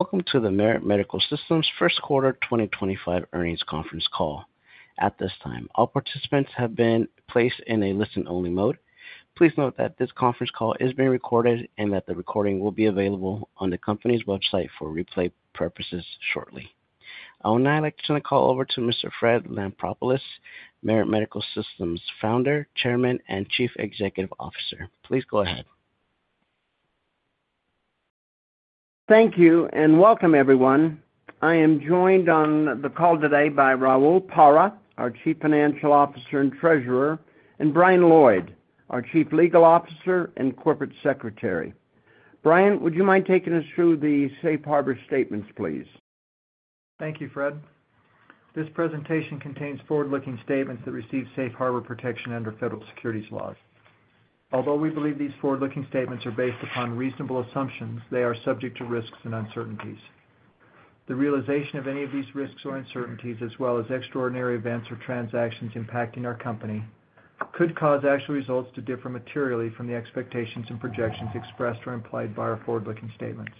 Welcome to the Merit Medical Systems first quarter 2025 earnings conference call. At this time, all participants have been placed in a listen-only mode. Please note that this conference call is being recorded and that the recording will be available on the company's website for replay purposes shortly. I will now like to turn the call over to Mr. Fred Lampropoulos, Merit Medical Systems Founder, Chairman, and Chief Executive Officer. Please go ahead. Thank you and welcome, everyone. I am joined on the call today by Raul Parra, our Chief Financial Officer and Treasurer, and Brian Lloyd, our Chief Legal Officer and Corporate Secretary. Brian, would you mind taking us through the Safe Harbor Statements, please? Thank you, Fred. This presentation contains forward-looking statements that receive Safe Harbor protection under federal securities laws. Although we believe these forward-looking statements are based upon reasonable assumptions, they are subject to risks and uncertainties. The realization of any of these risks or uncertainties, as well as extraordinary events or transactions impacting our company, could cause actual results to differ materially from the expectations and projections expressed or implied by our forward-looking statements.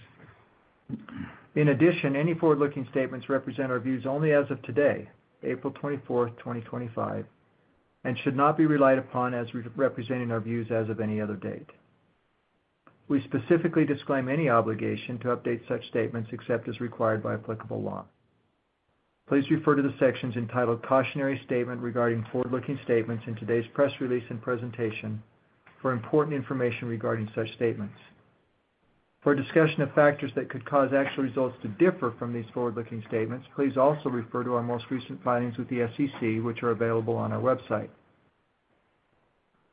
In addition, any forward-looking statements represent our views only as of today, April 24, 2025, and should not be relied upon as representing our views as of any other date. We specifically disclaim any obligation to update such statements except as required by applicable law. Please refer to the sections entitled Cautionary Statement Regarding Forward-Looking Statements in today's press release and presentation for important information regarding such statements. For discussion of factors that could cause actual results to differ from these forward-looking statements, please also refer to our most recent filings with the SEC, which are available on our website.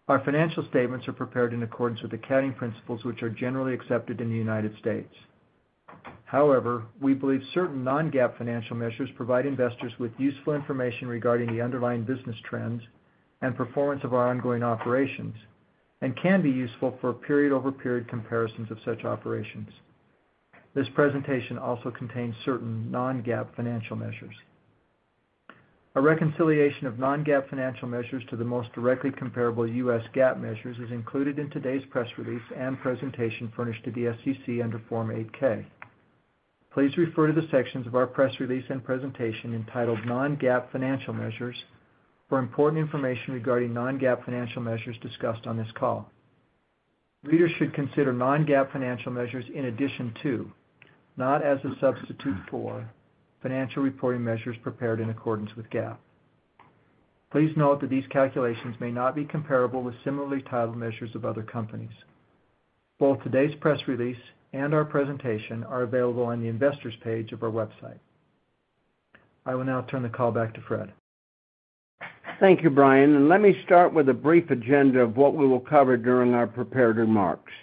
Our financial statements are prepared in accordance with accounting principles, which are generally accepted in the United States. However, we believe certain non-GAAP financial measures provide investors with useful information regarding the underlying business trends and performance of our ongoing operations and can be useful for period-over-period comparisons of such operations. This presentation also contains certain non-GAAP financial measures. A reconciliation of non-GAAP financial measures to the most directly comparable U.S. GAAP measures is included in today's press release and presentation furnished to the SEC under Form 8-K. Please refer to the sections of our press release and presentation entitled non-GAAP financial measures for important information regarding non-GAAP financial measures discussed on this call. Readers should consider non-GAAP financial measures in addition to, not as a substitute for, financial reporting measures prepared in accordance with GAAP. Please note that these calculations may not be comparable with similarly titled measures of other companies. Both today's press release and our presentation are available on the Investors page of our website. I will now turn the call back to Fred. Thank you, Brian. Let me start with a brief agenda of what we will cover during our prepared remarks.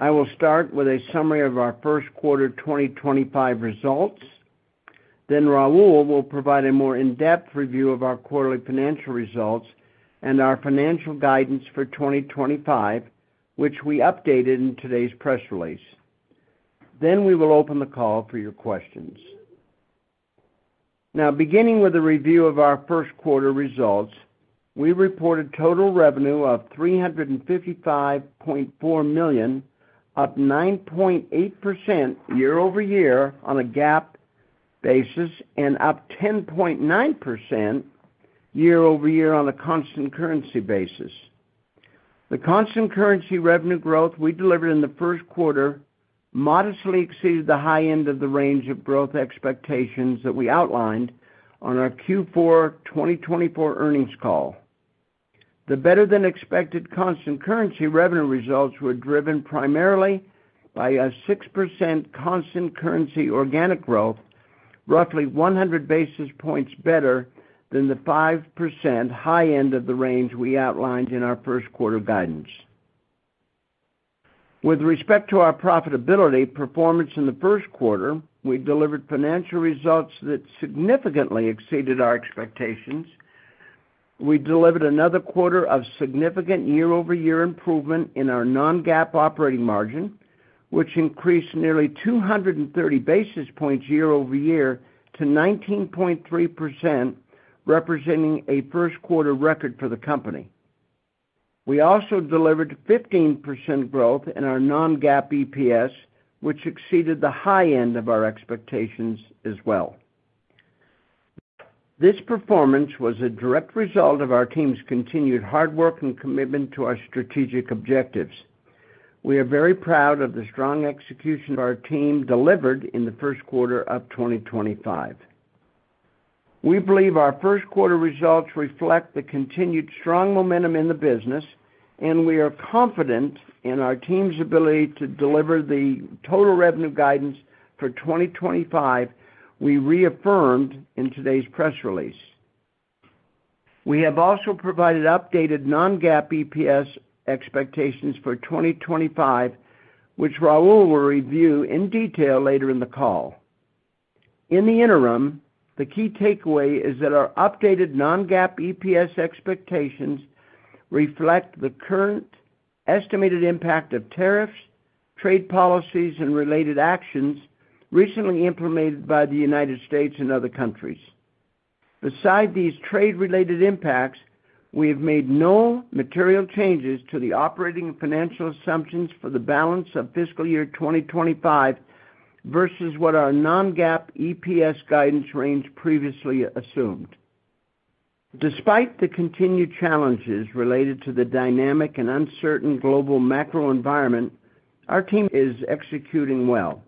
I will start with a summary of our first quarter 2025 results. Raul will provide a more in-depth review of our quarterly financial results and our financial guidance for 2025, which we updated in today's press release. We will open the call for your questions. Now, beginning with a review of our first quarter results, we reported total revenue of $355.4 million, up 9.8% year-over-year on a GAAP basis and up 10.9% year-over-year on a constant currency basis. The constant currency revenue growth we delivered in the first quarter modestly exceeded the high end of the range of growth expectations that we outlined on our Q4 2024 earnings call. The better-than-expected constant currency revenue results were driven primarily by a 6% constant currency organic growth, roughly 100 basis points better than the 5% high end of the range we outlined in our first quarter guidance. With respect to our profitability performance in the first quarter, we delivered financial results that significantly exceeded our expectations. We delivered another quarter of significant year-over-year improvement in our non-GAAP operating margin, which increased nearly 230 basis points year-over-year to 19.3%, representing a first quarter record for the company. We also delivered 15% growth in our non-GAAP EPS, which exceeded the high end of our expectations as well. This performance was a direct result of our team's continued hard work and commitment to our strategic objectives. We are very proud of the strong execution our team delivered in the first quarter of 2025. We believe our first quarter results reflect the continued strong momentum in the business, and we are confident in our team's ability to deliver the total revenue guidance for 2025 we reaffirmed in today's press release. We have also provided updated non-GAAP EPS expectations for 2025, which Raul will review in detail later in the call. In the interim, the key takeaway is that our updated non-GAAP EPS expectations reflect the current estimated impact of tariffs, trade policies, and related actions recently implemented by the U.S. and other countries. Beside these trade-related impacts, we have made no material changes to the operating financial assumptions for the balance of fiscal year 2025 versus what our non-GAAP EPS guidance range previously assumed. Despite the continued challenges related to the dynamic and uncertain global macro environment, our team is executing well.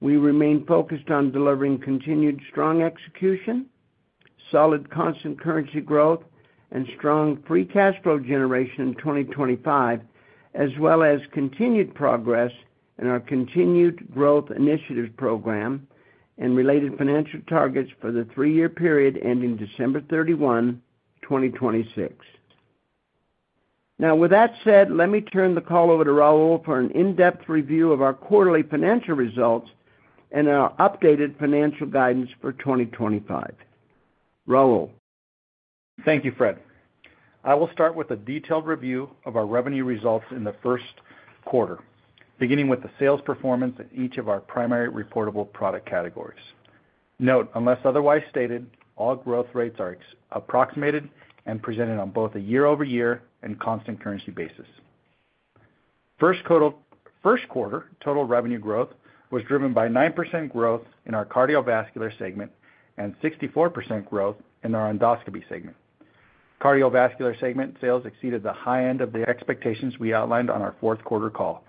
We remain focused on delivering continued strong execution, solid constant currency growth, and strong free cash flow generation in 2025, as well as continued progress in our Continued Growth Initiatives program and related financial targets for the three-year period ending December 31, 2026. Now, with that said, let me turn the call over to Raul for an in-depth review of our quarterly financial results and our updated financial guidance for 2025. Raul. Thank you, Fred. I will start with a detailed review of our revenue results in the first quarter, beginning with the sales performance in each of our primary reportable product categories. Note, unless otherwise stated, all growth rates are approximated and presented on both a year-over-year and constant currency basis. First quarter total revenue growth was driven by 9% growth in our cardiovascular segment and 64% growth in our endoscopy segment. Cardiovascular segment sales exceeded the high end of the expectations we outlined on our fourth quarter call.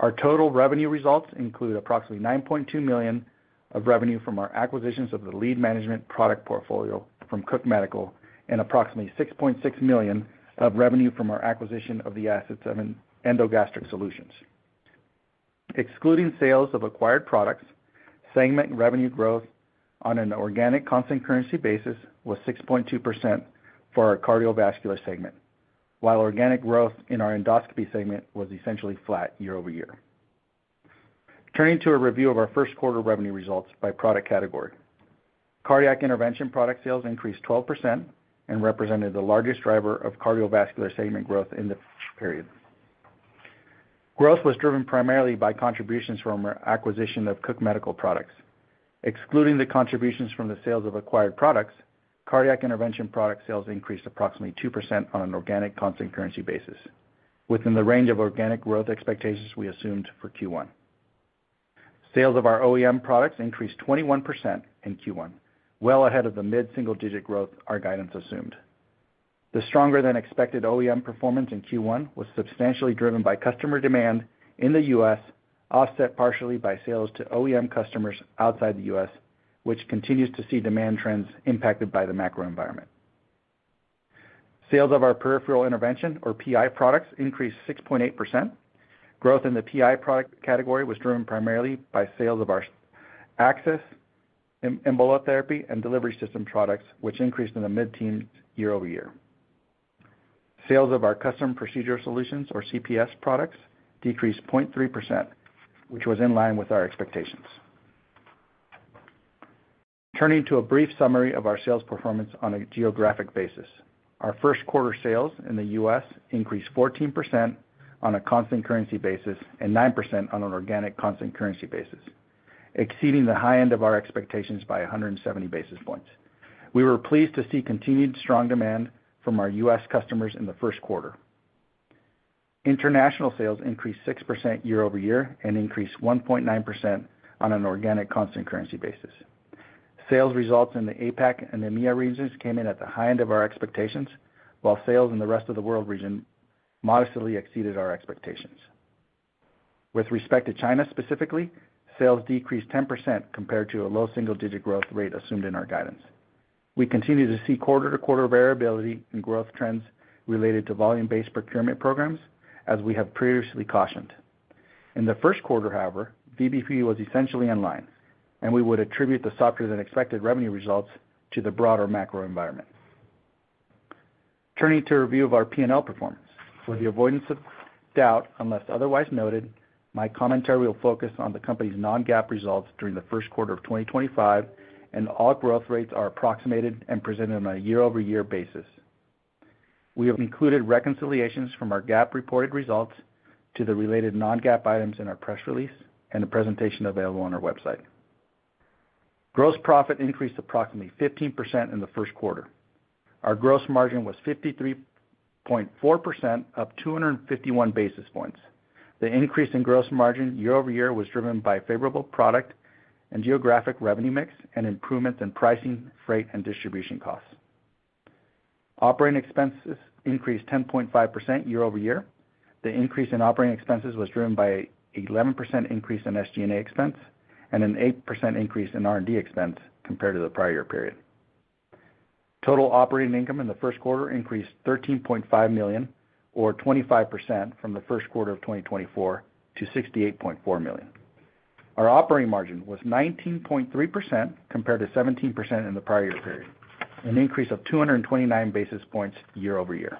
Our total revenue results include approximately $9.2 million of revenue from our acquisitions of the lead management product portfolio from Cook Medical and approximately $6.6 million of revenue from our acquisition of the assets of EndoGastric Solutions. Excluding sales of acquired products, segment revenue growth on an organic constant currency basis was 6.2% for our cardiovascular segment, while organic growth in our endoscopy segment was essentially flat year-over-year. Turning to a review of our first quarter revenue results by product category, cardiac intervention product sales increased 12% and represented the largest driver of cardiovascular segment growth in the period. Growth was driven primarily by contributions from our acquisition of Cook Medical products. Excluding the contributions from the sales of acquired products, cardiac intervention product sales increased approximately 2% on an organic constant currency basis, within the range of organic growth expectations we assumed for Q1. Sales of our OEM products increased 21% in Q1, well ahead of the mid-single-digit growth our guidance assumed. The stronger-than-expected OEM performance in Q1 was substantially driven by customer demand in the U.S., offset partially by sales to OEM customers outside the U.S., which continues to see demand trends impacted by the macro environment. Sales of our peripheral intervention, or PI, products increased 6.8%. Growth in the PI product category was driven primarily by sales of our access, envelope therapy, and delivery system products, which increased in the mid-teens year-over-year. Sales of our customer procedural solutions, or CPS, products decreased 0.3%, which was in line with our expectations. Turning to a brief summary of our sales performance on a geographic basis, our first quarter sales in the U.S. increased 14% on a constant currency basis and 9% on an organic constant currency basis, exceeding the high end of our expectations by 170 basis points. We were pleased to see continued strong demand from our U.S. customers in the first quarter. International sales increased 6% year-over-year and increased 1.9% on an organic constant currency basis. Sales results in the APAC and EMEA regions came in at the high end of our expectations, while sales in the rest of the world region modestly exceeded our expectations. With respect to China specifically, sales decreased 10% compared to a low single-digit growth rate assumed in our guidance. We continue to see quarter-to-quarter variability in growth trends related to volume-based procurement programs, as we have previously cautioned. In the first quarter, however, VBP was essentially in line, and we would attribute the softer-than-expected revenue results to the broader macro environment. Turning to a review of our P&L performance, for the avoidance of doubt unless otherwise noted, my commentary will focus on the company's non-GAAP results during the first quarter of 2025, and all growth rates are approximated and presented on a year-over-year basis. We have included reconciliations from our GAAP reported results to the related non-GAAP items in our press release and the presentation available on our website. Gross profit increased approximately 15% in the first quarter. Our gross margin was 53.4%, up 251 basis points. The increase in gross margin year-over-year was driven by favorable product and geographic revenue mix and improvements in pricing, freight, and distribution costs. Operating expenses increased 10.5% year-over-year. The increase in operating expenses was driven by an 11% increase in SG&A expense and an 8% increase in R&D expense compared to the prior year period. Total operating income in the first quarter increased $13.5 million, or 25% from the first quarter of 2024, to $68.4 million. Our operating margin was 19.3% compared to 17% in the prior year period, an increase of 229 basis points year-over-year.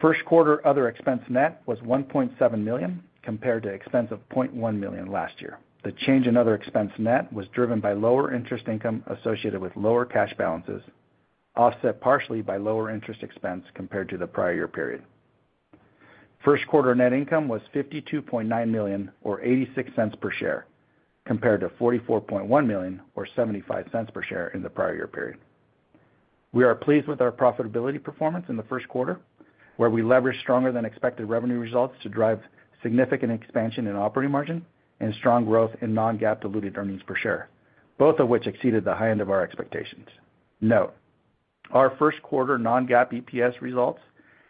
First quarter other expense net was $1.7 million compared to expense of $0.1 million last year. The change in other expense net was driven by lower interest income associated with lower cash balances, offset partially by lower interest expense compared to the prior year period. First quarter net income was $52.9 million, or $0.86 per share, compared to $44.1 million, or $0.75 per share in the prior year period. We are pleased with our profitability performance in the first quarter, where we leveraged stronger-than-expected revenue results to drive significant expansion in operating margin and strong growth in non-GAAP diluted earnings per share, both of which exceeded the high end of our expectations. Note, our first quarter non-GAAP EPS results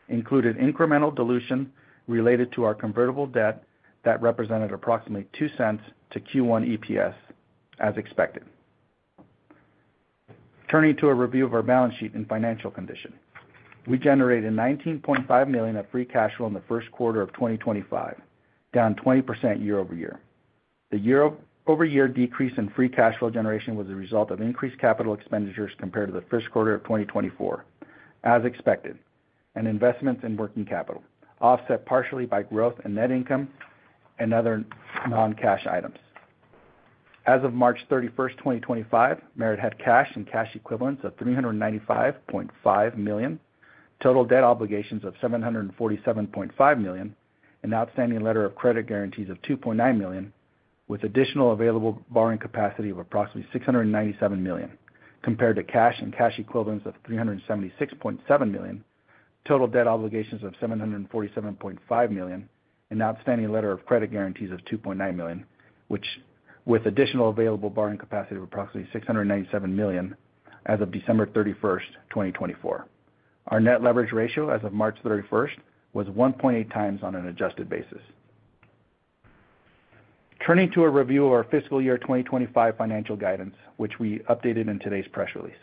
included incremental dilution related to our convertible debt that represented approximately $0.02 to Q1 EPS, as expected. Turning to a review of our balance sheet and financial condition, we generated $19.5 million of free cash flow in the first quarter of 2025, down 20% year-over-year. The year-over-year decrease in free cash flow generation was a result of increased capital expenditures compared to the first quarter of 2024, as expected, and investments in working capital, offset partially by growth in net income and other non-cash items. As of March 31st, 2025, Merit had cash and cash equivalents of $395.5 million, total debt obligations of $747.5 million, and outstanding letter of credit guarantees of $2.9 million, with additional available borrowing capacity of approximately $697 million, compared to cash and cash equivalents of $376.7 million, total debt obligations of $747.5 million, and outstanding letter of credit guarantees of $2.9 million, with additional available borrowing capacity of approximately $697 million as of December 31st, 2024. Our net leverage ratio as of March 31 was 1.8 times on an adjusted basis. Turning to a review of our fiscal year 2025 financial guidance, which we updated in today's press release.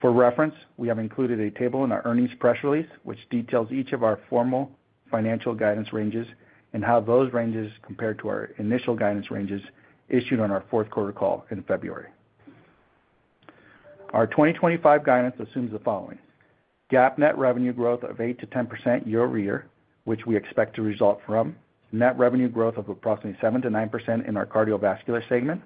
For reference, we have included a table in our earnings press release, which details each of our formal financial guidance ranges and how those ranges compared to our initial guidance ranges issued on our fourth quarter call in February. Our 2025 guidance assumes the following: GAAP net revenue growth of 8%-10% year-over-year, which we expect to result from net revenue growth of approximately 7%-9% in our cardiovascular segment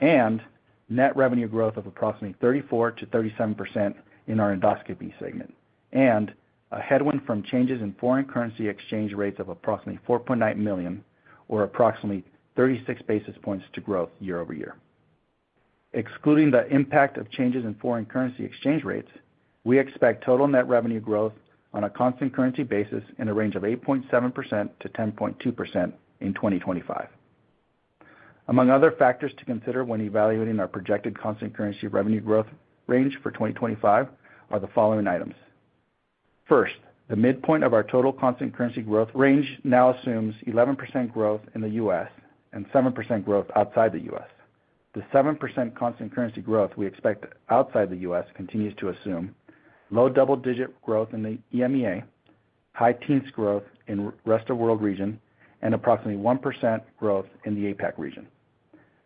and net revenue growth of approximately 34%-37% in our endoscopy segment, and a headwind from changes in foreign currency exchange rates of approximately $4.9 million, or approximately 36 basis points to growth year-over-year. Excluding the impact of changes in foreign currency exchange rates, we expect total net revenue growth on a constant currency basis in a range of 8.7%-10.2% in 2025. Among other factors to consider when evaluating our projected constant currency revenue growth range for 2025 are the following items. First, the midpoint of our total constant currency growth range now assumes 11% growth in the U.S. and 7% growth outside the U.S. The 7% constant currency growth we expect outside the U.S. continues to assume low double-digit growth in the EMEA, high teens growth in the rest of the world region, and approximately 1% growth in the APAC region.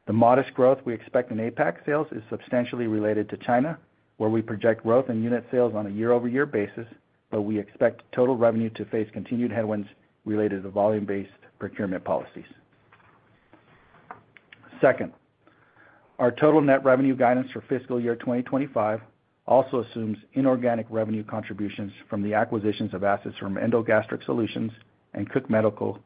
The modest growth we expect in APAC sales is substantially related to China, where we project growth in unit sales on a year-over-year basis, but we expect total revenue to face continued headwinds related to volume-based procurement policies. Second, our total net revenue guidance for fiscal year 2025 also assumes inorganic revenue contributions from the acquisitions of assets from EndoGastric Solutions and Cook Medical,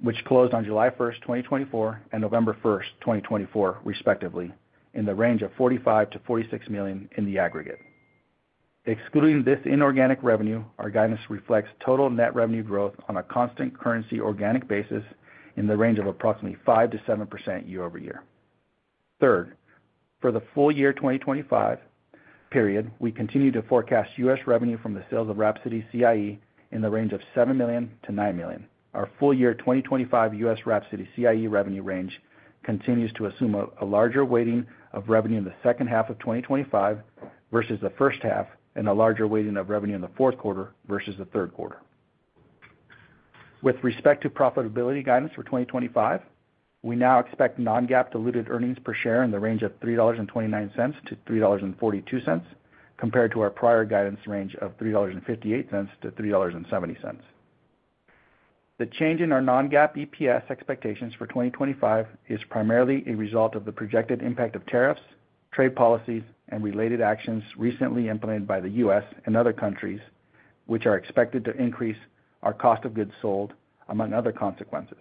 which closed on July 1, 2024, and November 1st, 2024, respectively, in the range of $45 million-$46 million in the aggregate. Excluding this inorganic revenue, our guidance reflects total net revenue growth on a constant currency organic basis in the range of approximately 5%-7% year-over-year. Third, for the full year 2025 period, we continue to forecast U.S. revenue from the sales of WRAPSODY CIE in the range of $7 million-$9 million. Our full year 2025 U.S. WRAPSODY CIE revenue range continues to assume a larger weighting of revenue in the second half of 2025 versus the first half and a larger weighting of revenue in the fourth quarter versus the third quarter. With respect to profitability guidance for 2025, we now expect non-GAAP diluted earnings per share in the range of $3.29-$3.42 compared to our prior guidance range of $3.58-$3.70. The change in our non-GAAP EPS expectations for 2025 is primarily a result of the projected impact of tariffs, trade policies, and related actions recently implemented by the U.S. and other countries, which are expected to increase our cost of goods sold, among other consequences.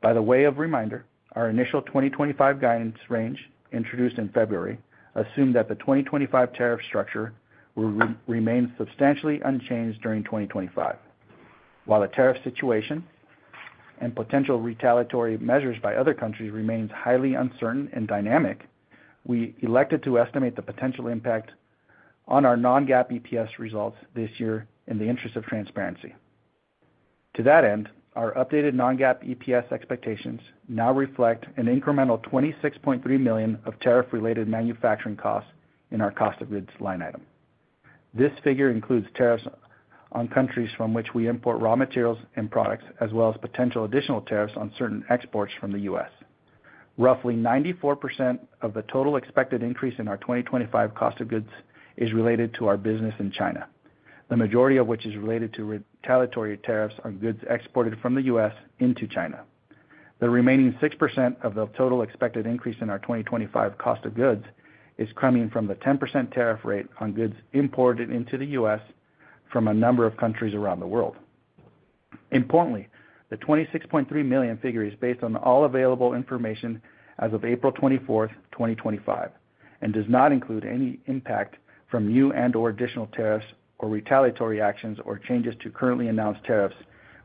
By the way of reminder, our initial 2025 guidance range introduced in February assumed that the 2025 tariff structure would remain substantially unchanged during 2025. While the tariff situation and potential retaliatory measures by other countries remain highly uncertain and dynamic, we elected to estimate the potential impact on our non-GAAP EPS results this year in the interest of transparency. To that end, our updated non-GAAP EPS expectations now reflect an incremental $26.3 million of tariff-related manufacturing costs in our cost of goods line item. This figure includes tariffs on countries from which we import raw materials and products, as well as potential additional tariffs on certain exports from the U.S. Roughly 94% of the total expected increase in our 2025 cost of goods is related to our business in China, the majority of which is related to retaliatory tariffs on goods exported from the U.S. into China. The remaining 6% of the total expected increase in our 2025 cost of goods is coming from the 10% tariff rate on goods imported into the U.S. from a number of countries around the world. Importantly, the $26.3 million figure is based on all available information as of April 24th, 2025, and does not include any impact from new and/or additional tariffs or retaliatory actions or changes to currently announced tariffs,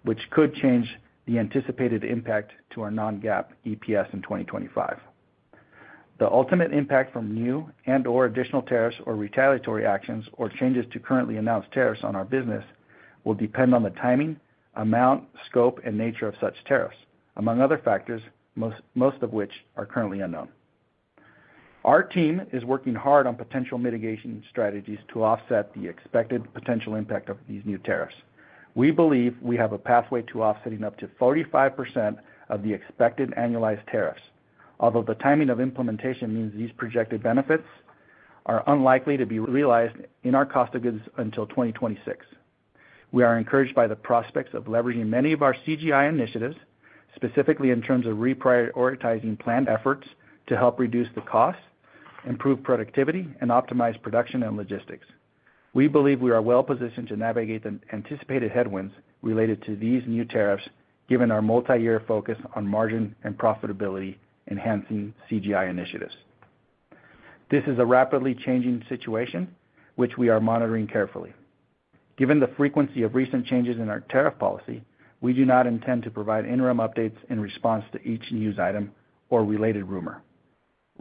which could change the anticipated impact to our non-GAAP EPS in 2025. The ultimate impact from new and/or additional tariffs or retaliatory actions or changes to currently announced tariffs on our business will depend on the timing, amount, scope, and nature of such tariffs, among other factors, most of which are currently unknown. Our team is working hard on potential mitigation strategies to offset the expected potential impact of these new tariffs. We believe we have a pathway to offsetting up to 45% of the expected annualized tariffs, although the timing of implementation means these projected benefits are unlikely to be realized in our cost of goods until 2026. We are encouraged by the prospects of leveraging many of our CGI initiatives, specifically in terms of reprioritizing planned efforts to help reduce the cost, improve productivity, and optimize production and logistics. We believe we are well-positioned to navigate the anticipated headwinds related to these new tariffs, given our multi-year focus on margin and profitability-enhancing CGI initiatives. This is a rapidly changing situation, which we are monitoring carefully. Given the frequency of recent changes in our tariff policy, we do not intend to provide interim updates in response to each news item or related rumor.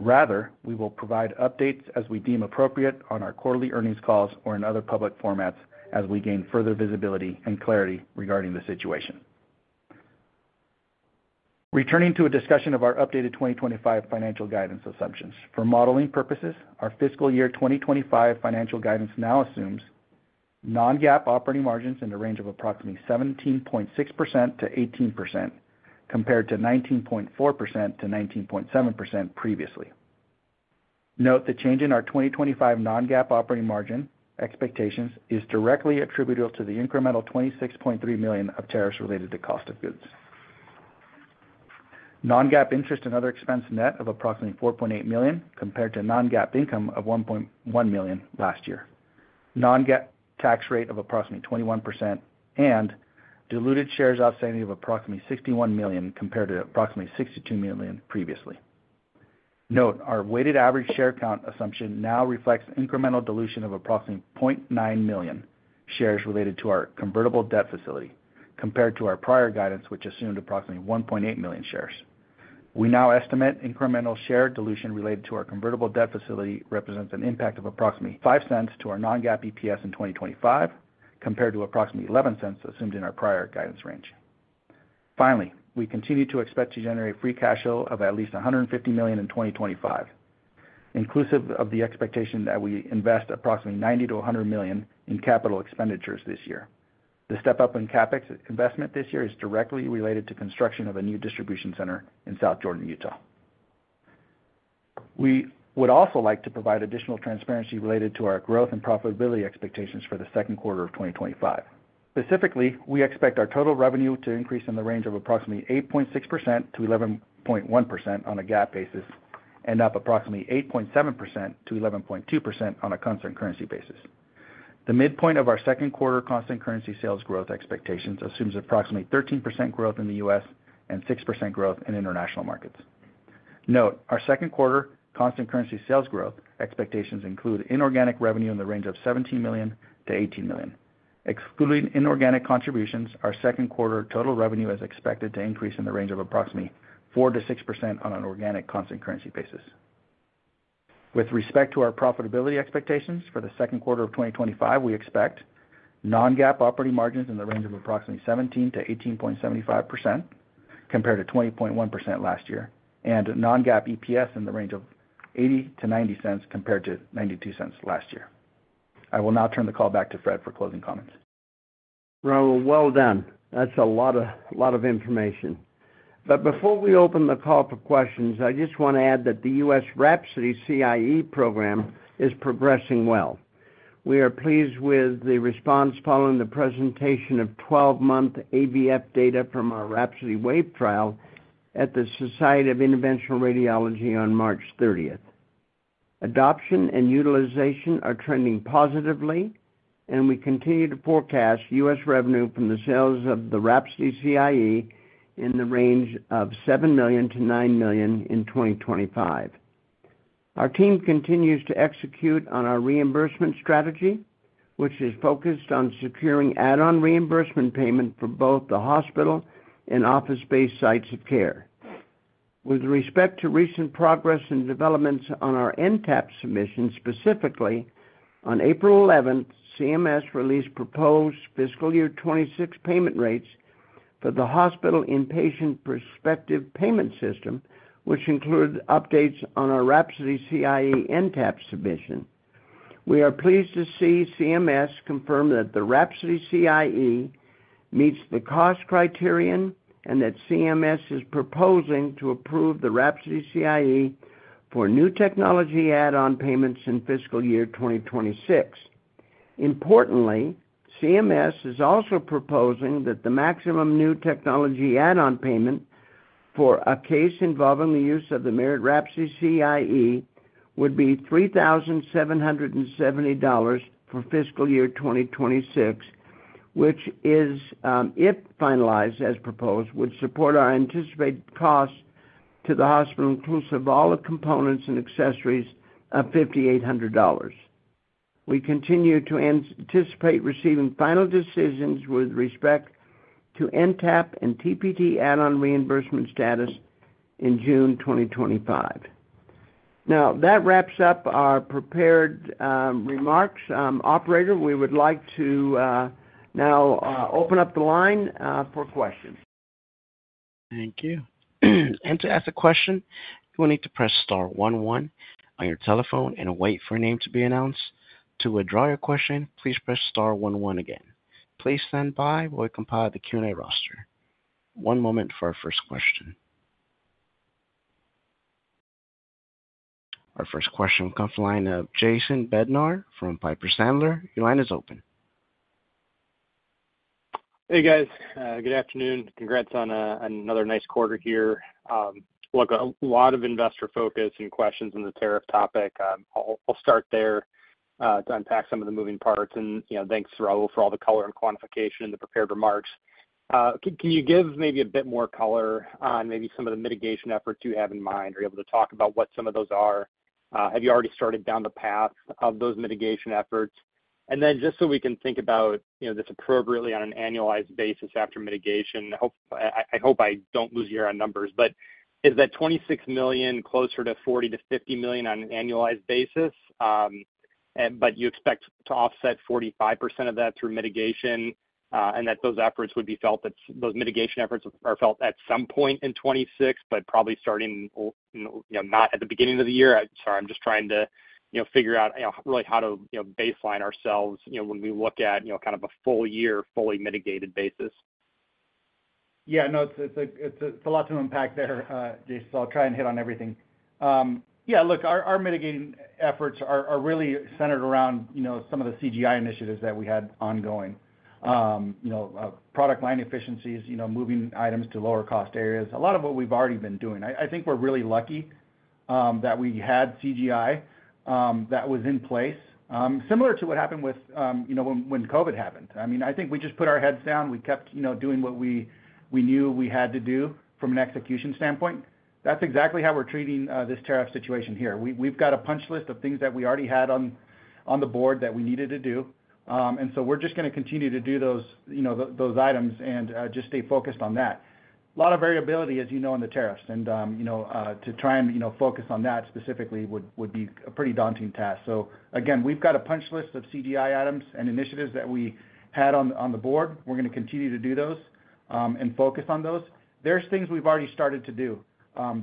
Rather, we will provide updates as we deem appropriate on our quarterly earnings calls or in other public formats as we gain further visibility and clarity regarding the situation. Returning to a discussion of our updated 2025 financial guidance assumptions. For modeling purposes, our fiscal year 2025 financial guidance now assumes non-GAAP operating margins in the range of approximately 17.6%-18% compared to 19.4%-19.7% previously. Note the change in our 2025 non-GAAP operating margin expectations is directly attributable to the incremental $26.3 million of tariffs related to cost of goods. Non-GAAP interest and other expense net of approximately $4.8 million compared to non-GAAP income of $1.1 million last year. Non-GAAP tax rate of approximately 21% and diluted shares outstanding of approximately 61 million compared to approximately 62 million previously. Note, our weighted average share count assumption now reflects incremental dilution of approximately 0.9 million shares related to our convertible debt facility compared to our prior guidance, which assumed approximately 1.8 million shares. We now estimate incremental share dilution related to our convertible debt facility represents an impact of approximately $0.05 to our non-GAAP EPS in 2025 compared to approximately $0.11 assumed in our prior guidance range. Finally, we continue to expect to generate free cash flow of at least $150 million in 2025, inclusive of the expectation that we invest approximately $90 million-$100 million in capital expenditures this year. The step-up in CapEx investment this year is directly related to construction of a new distribution center in South Jordan, Utah. We would also like to provide additional transparency related to our growth and profitability expectations for the second quarter of 2025. Specifically, we expect our total revenue to increase in the range of approximately 8.6%-11.1% on a GAAP basis and up approximately 8.7%-11.2% on a constant currency basis. The midpoint of our second quarter constant currency sales growth expectations assumes approximately 13% growth in the U.S. and 6% growth in international markets. Note, our second quarter constant currency sales growth expectations include inorganic revenue in the range of $17 million-$18 million. Excluding inorganic contributions, our second quarter total revenue is expected to increase in the range of approximately 4%-6% on an organic constant currency basis. With respect to our profitability expectations for the second quarter of 2025, we expect non-GAAP operating margins in the range of approximately 17%-18.75% compared to 20.1% last year, and non-GAAP EPS in the range of $0.80-$0.90 compared to $0.92 last year. I will now turn the call back to Fred for closing comments. Raul, well done. That is a lot of information. Before we open the call for questions, I just want to add that the U.S. WRAPSODY CIE program is progressing well. We are pleased with the response following the presentation of 12-month AVF data from our WRAPSODY WAVE trial at the Society of Interventional Radiology on March 30th. Adoption and utilization are trending positively, and we continue to forecast U.S. revenue from the sales of the WRAPSODY CIE in the range of $7 million-$9 million in 2025. Our team continues to execute on our reimbursement strategy, which is focused on securing add-on reimbursement payment for both the hospital and office-based sites of care. With respect to recent progress and developments on our NTAP submission, specifically, on April 11th, CMS released proposed fiscal year 2026 payment rates for the hospital inpatient prospective payment system, which included updates on our WRAPSODY CIE NTAP submission. We are pleased to see CMS confirm that the WRAPSODY CIE meets the cost criterion and that CMS is proposing to approve the WRAPSODY CIE for new technology add-on payments in fiscal year 2026. Importantly, CMS is also proposing that the maximum new technology add-on payment for a case involving the use of the Merit WRAPSODY CIE would be $3,770 for fiscal year 2026, which, if finalized as proposed, would support our anticipated cost to the hospital, inclusive of all the components and accessories, of $5,800. We continue to anticipate receiving final decisions with respect to NTAP and TPT add-on reimbursement status in June 2025. Now, that wraps up our prepared remarks. Operator, we would like to now open up the line for questions. Thank you. To ask a question, you will need to press star one one on your telephone and wait for a name to be announced. To withdraw your question, please press star one one again. Please stand by while we compile the Q&A roster. One moment for our first question. Our first question comes from the line of Jason Bednar from Piper Sandler. Your line is open. Hey, guys. Good afternoon. Congrats on another nice quarter here. Look, a lot of investor focus and questions on the tariff topic. I'll start there to unpack some of the moving parts. Thanks, Raul, for all the color and quantification in the prepared remarks. Can you give maybe a bit more color on maybe some of the mitigation efforts you have in mind? Are you able to talk about what some of those are? Have you already started down the path of those mitigation efforts? Just so we can think about this appropriately on an annualized basis after mitigation, I hope I don't lose you on numbers, but is that $26 million closer to $40 million-50 million on an annualized basis? You expect to offset 45% of that through mitigation and that those efforts would be felt, that those mitigation efforts are felt at some point in 2026, but probably starting not at the beginning of the year. Sorry, I'm just trying to figure out really how to baseline ourselves when we look at kind of a full year, fully mitigated basis. Yeah, no, it's a lot to unpack there, Jason. I'll try and hit on everything. Yeah, look, our mitigating efforts are really centered around some of the CGI initiatives that we had ongoing. Product line efficiencies, moving items to lower-cost areas. A lot of what we've already been doing. I think we're really lucky that we had CGI that was in place, similar to what happened when COVID happened. I mean, I think we just put our heads down. We kept doing what we knew we had to do from an execution standpoint. That's exactly how we're treating this tariff situation here. We've got a punch list of things that we already had on the board that we needed to do. We're just going to continue to do those items and just stay focused on that. A lot of variability, as you know, in the tariffs. To try and focus on that specifically would be a pretty daunting task. Again, we've got a punch list of CGI items and initiatives that we had on the board. We're going to continue to do those and focus on those. There are things we've already started to do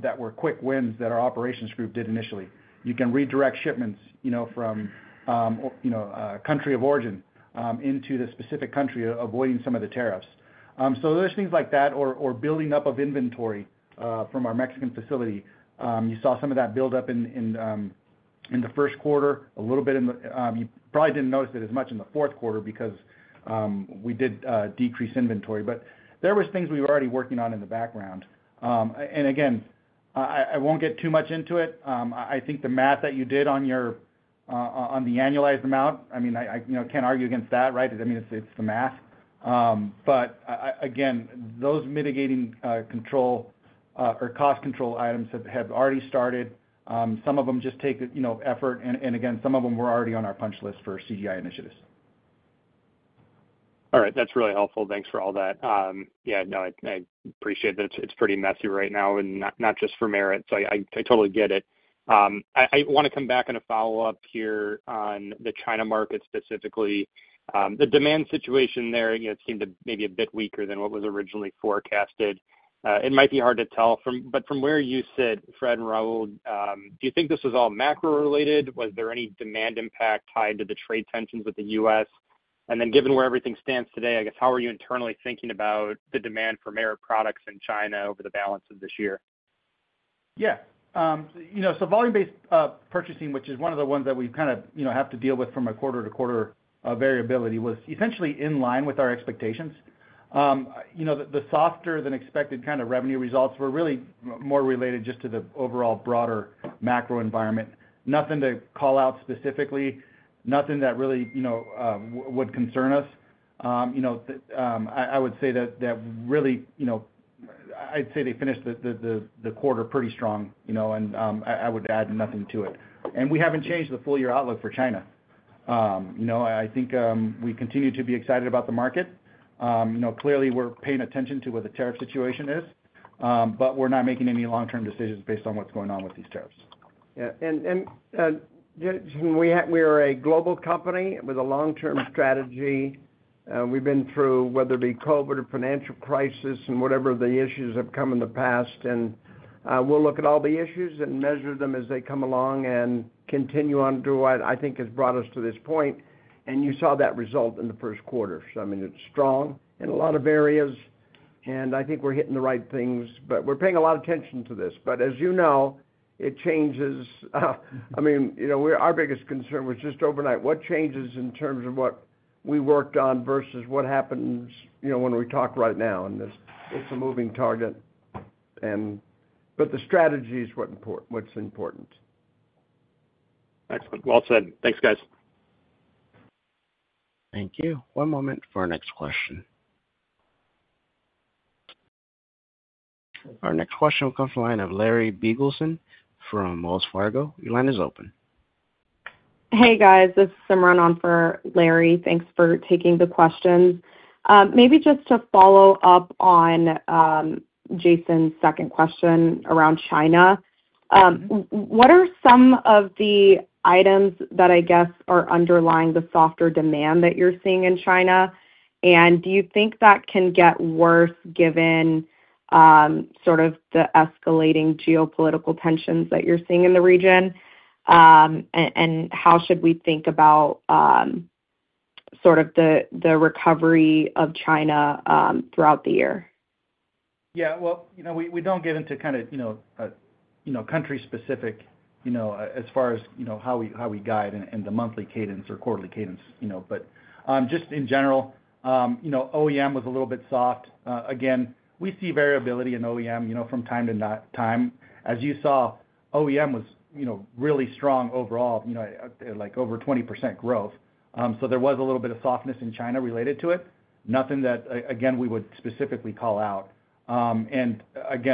that were quick wins that our operations group did initially. You can redirect shipments from a country of origin into the specific country, avoiding some of the tariffs. There are things like that or building up of inventory from our Mexican facility. You saw some of that build up in the first quarter, a little bit in the you probably did not notice it as much in the fourth quarter because we did decrease inventory. There were things we were already working on in the background. Again, I will not get too much into it. I think the math that you did on the annualized amount, I mean, I can't argue against that, right? I mean, it's the math. Again, those mitigating control or cost control items have already started. Some of them just take effort. Again, some of them were already on our punch list for CGI initiatives. All right. That's really helpful. Thanks for all that. Yeah, no, I appreciate that it's pretty messy right now, and not just for Merit. I totally get it. I want to come back and follow up here on the China market specifically. The demand situation there seemed to be maybe a bit weaker than what was originally forecasted. It might be hard to tell. From where you sit, Fred and Raul, do you think this was all macro-related? Was there any demand impact tied to the trade tensions with the U.S.? Given where everything stands today, I guess, how are you internally thinking about the demand for Merit products in China over the balance of this year? Yeah. Volume-based purchasing, which is one of the ones that we kind of have to deal with from a quarter-to-quarter variability, was essentially in line with our expectations. The softer-than-expected kind of revenue results were really more related just to the overall broader macro environment. Nothing to call out specifically, nothing that really would concern us. I would say that really, I'd say they finished the quarter pretty strong, and I would add nothing to it. We haven't changed the full-year outlook for China. I think we continue to be excited about the market. Clearly, we're paying attention to what the tariff situation is, but we're not making any long-term decisions based on what's going on with these tariffs. Yeah. Jason, we are a global company with a long-term strategy. We've been through whether it be COVID or financial crisis and whatever the issues have come in the past. We'll look at all the issues and measure them as they come along and continue on to what I think has brought us to this point. You saw that result in the first quarter. It is strong in a lot of areas. I think we're hitting the right things. We're paying a lot of attention to this. As you know, it changes. Our biggest concern was just overnight. What changes in terms of what we worked on versus what happens when we talk right now? It is a moving target. The strategy is what's important. Excellent. Well said. Thanks, guys. Thank you. One moment for our next question. Our next question will come from the line of Larry Biegelsen from Wells Fargo. Your line is open. Hey, guys. This is Simran on for Larry. Thanks for taking the questions. Maybe just to follow up on Jason's second question around China, what are some of the items that I guess are underlying the softer demand that you're seeing in China? Do you think that can get worse given sort of the escalating geopolitical tensions that you're seeing in the region? How should we think about sort of the recovery of China throughout the year? Yeah. We do not get into kind of country-specific as far as how we guide in the monthly cadence or quarterly cadence. Just in general, OEM was a little bit soft. Again, we see variability in OEM from time to time. As you saw, OEM was really strong overall, like over 20% growth. There was a little bit of softness in China related to it. Nothing that, again, we would specifically call out. I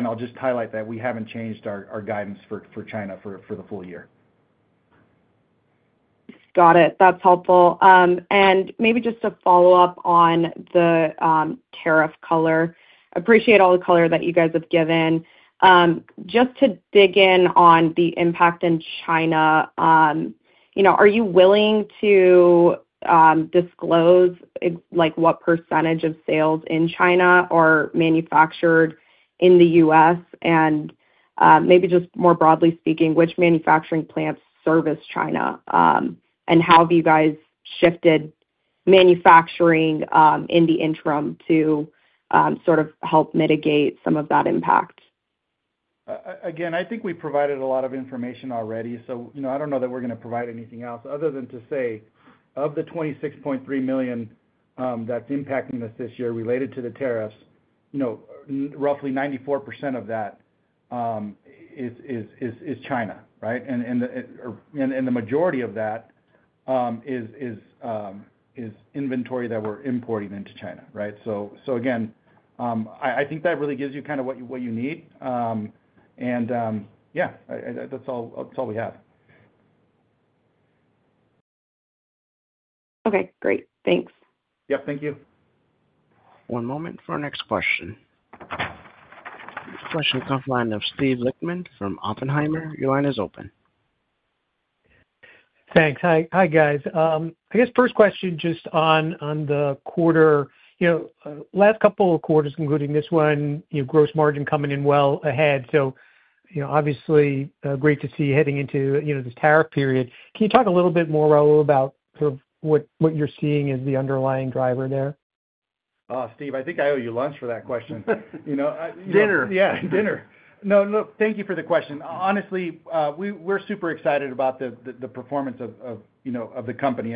will just highlight that we have not changed our guidance for China for the full year. Got it. That's helpful. Maybe just to follow up on the tariff color, appreciate all the color that you guys have given. Just to dig in on the impact in China, are you willing to disclose what percentage of sales in China are manufactured in the U.S.? Maybe just more broadly speaking, which manufacturing plants service China? How have you guys shifted manufacturing in the interim to sort of help mitigate some of that impact? I think we provided a lot of information already. I do not know that we are going to provide anything else other than to say of the $26.3 million that is impacting us this year related to the tariffs, roughly 94% of that is China, right? The majority of that is inventory that we are importing into China, right? I think that really gives you kind of what you need. That is all we have. Okay. Great. Thanks. Yep. Thank you. One moment for our next question. Next question will come from the line of Steve Lichtman from Oppenheimer. Your line is open. Thanks. Hi, guys. I guess first question just on the quarter, last couple of quarters including this one, gross margin coming in well ahead. Obviously, great to see you heading into this tariff period. Can you talk a little bit more, Raul, about sort of what you're seeing as the underlying driver there? Oh, Steve, I think I owe you lunch for that question. Dinner. Yeah, dinner. No, thank you for the question. Honestly, we're super excited about the performance of the company.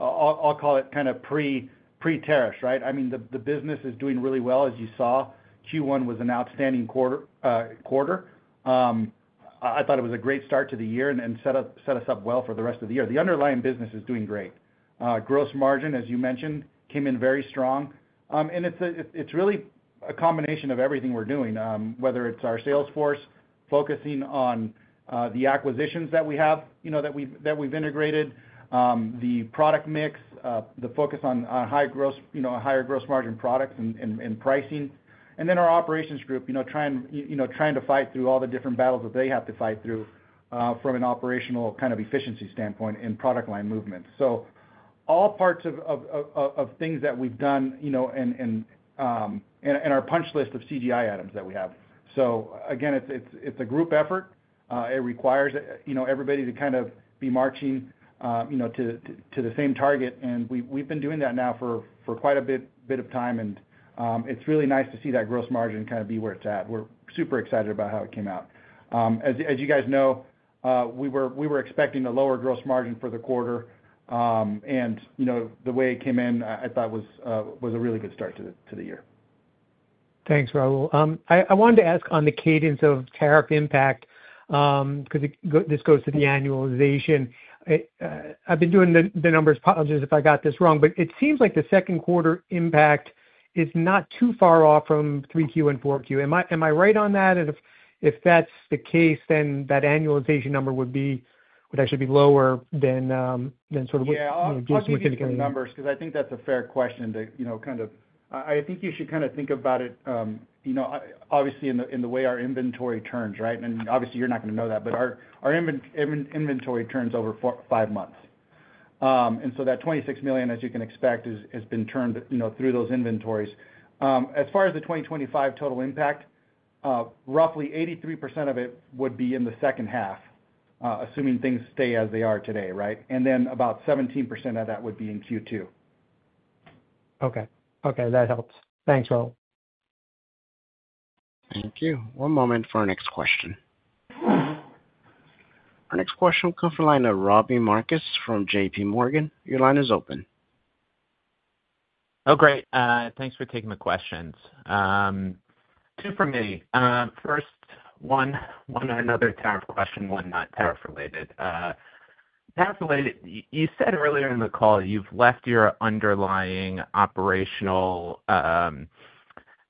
I'll call it kind of pre-tariffs, right? I mean, the business is doing really well, as you saw. Q1 was an outstanding quarter. I thought it was a great start to the year and set us up well for the rest of the year. The underlying business is doing great. Gross margin, as you mentioned, came in very strong. It's really a combination of everything we're doing, whether it's our sales force, focusing on the acquisitions that we have that we've integrated, the product mix, the focus on higher gross margin products and pricing. Our operations group is trying to fight through all the different battles that they have to fight through from an operational kind of efficiency standpoint and product line movement. All parts of things that we've done and our punch list of CGI items that we have. Again, it's a group effort. It requires everybody to kind of be marching to the same target. We've been doing that now for quite a bit of time. It's really nice to see that gross margin kind of be where it's at. We're super excited about how it came out. As you guys know, we were expecting a lower gross margin for the quarter. The way it came in, I thought was a really good start to the year. Thanks, Raul. I wanted to ask on the cadence of tariff impact because this goes to the annualization. I've been doing the numbers. Apologies if I got this wrong. It seems like the second quarter impact is not too far off from 3Q and 4Q. Am I right on that? If that's the case, then that annualization number would actually be lower than sort of. Yeah. I'll talk to you about the numbers because I think that's a fair question to kind of I think you should kind of think about it, obviously, in the way our inventory turns, right? Obviously, you're not going to know that, but our inventory turns over five months. That $26 million, as you can expect, has been turned through those inventories. As far as the 2025 total impact, roughly 83% of it would be in the second half, assuming things stay as they are today, right? About 17% of that would be in Q2. Okay. Okay. That helps. Thanks, Raul. Thank you. One moment for our next question. Our next question will come from the line of Robbie Marcus from JPMorgan. Your line is open. Oh, great. Thanks for taking the questions. Two for me. First, one or another tariff question, one not tariff-related. Tariff-related, you said earlier in the call you've left your underlying operational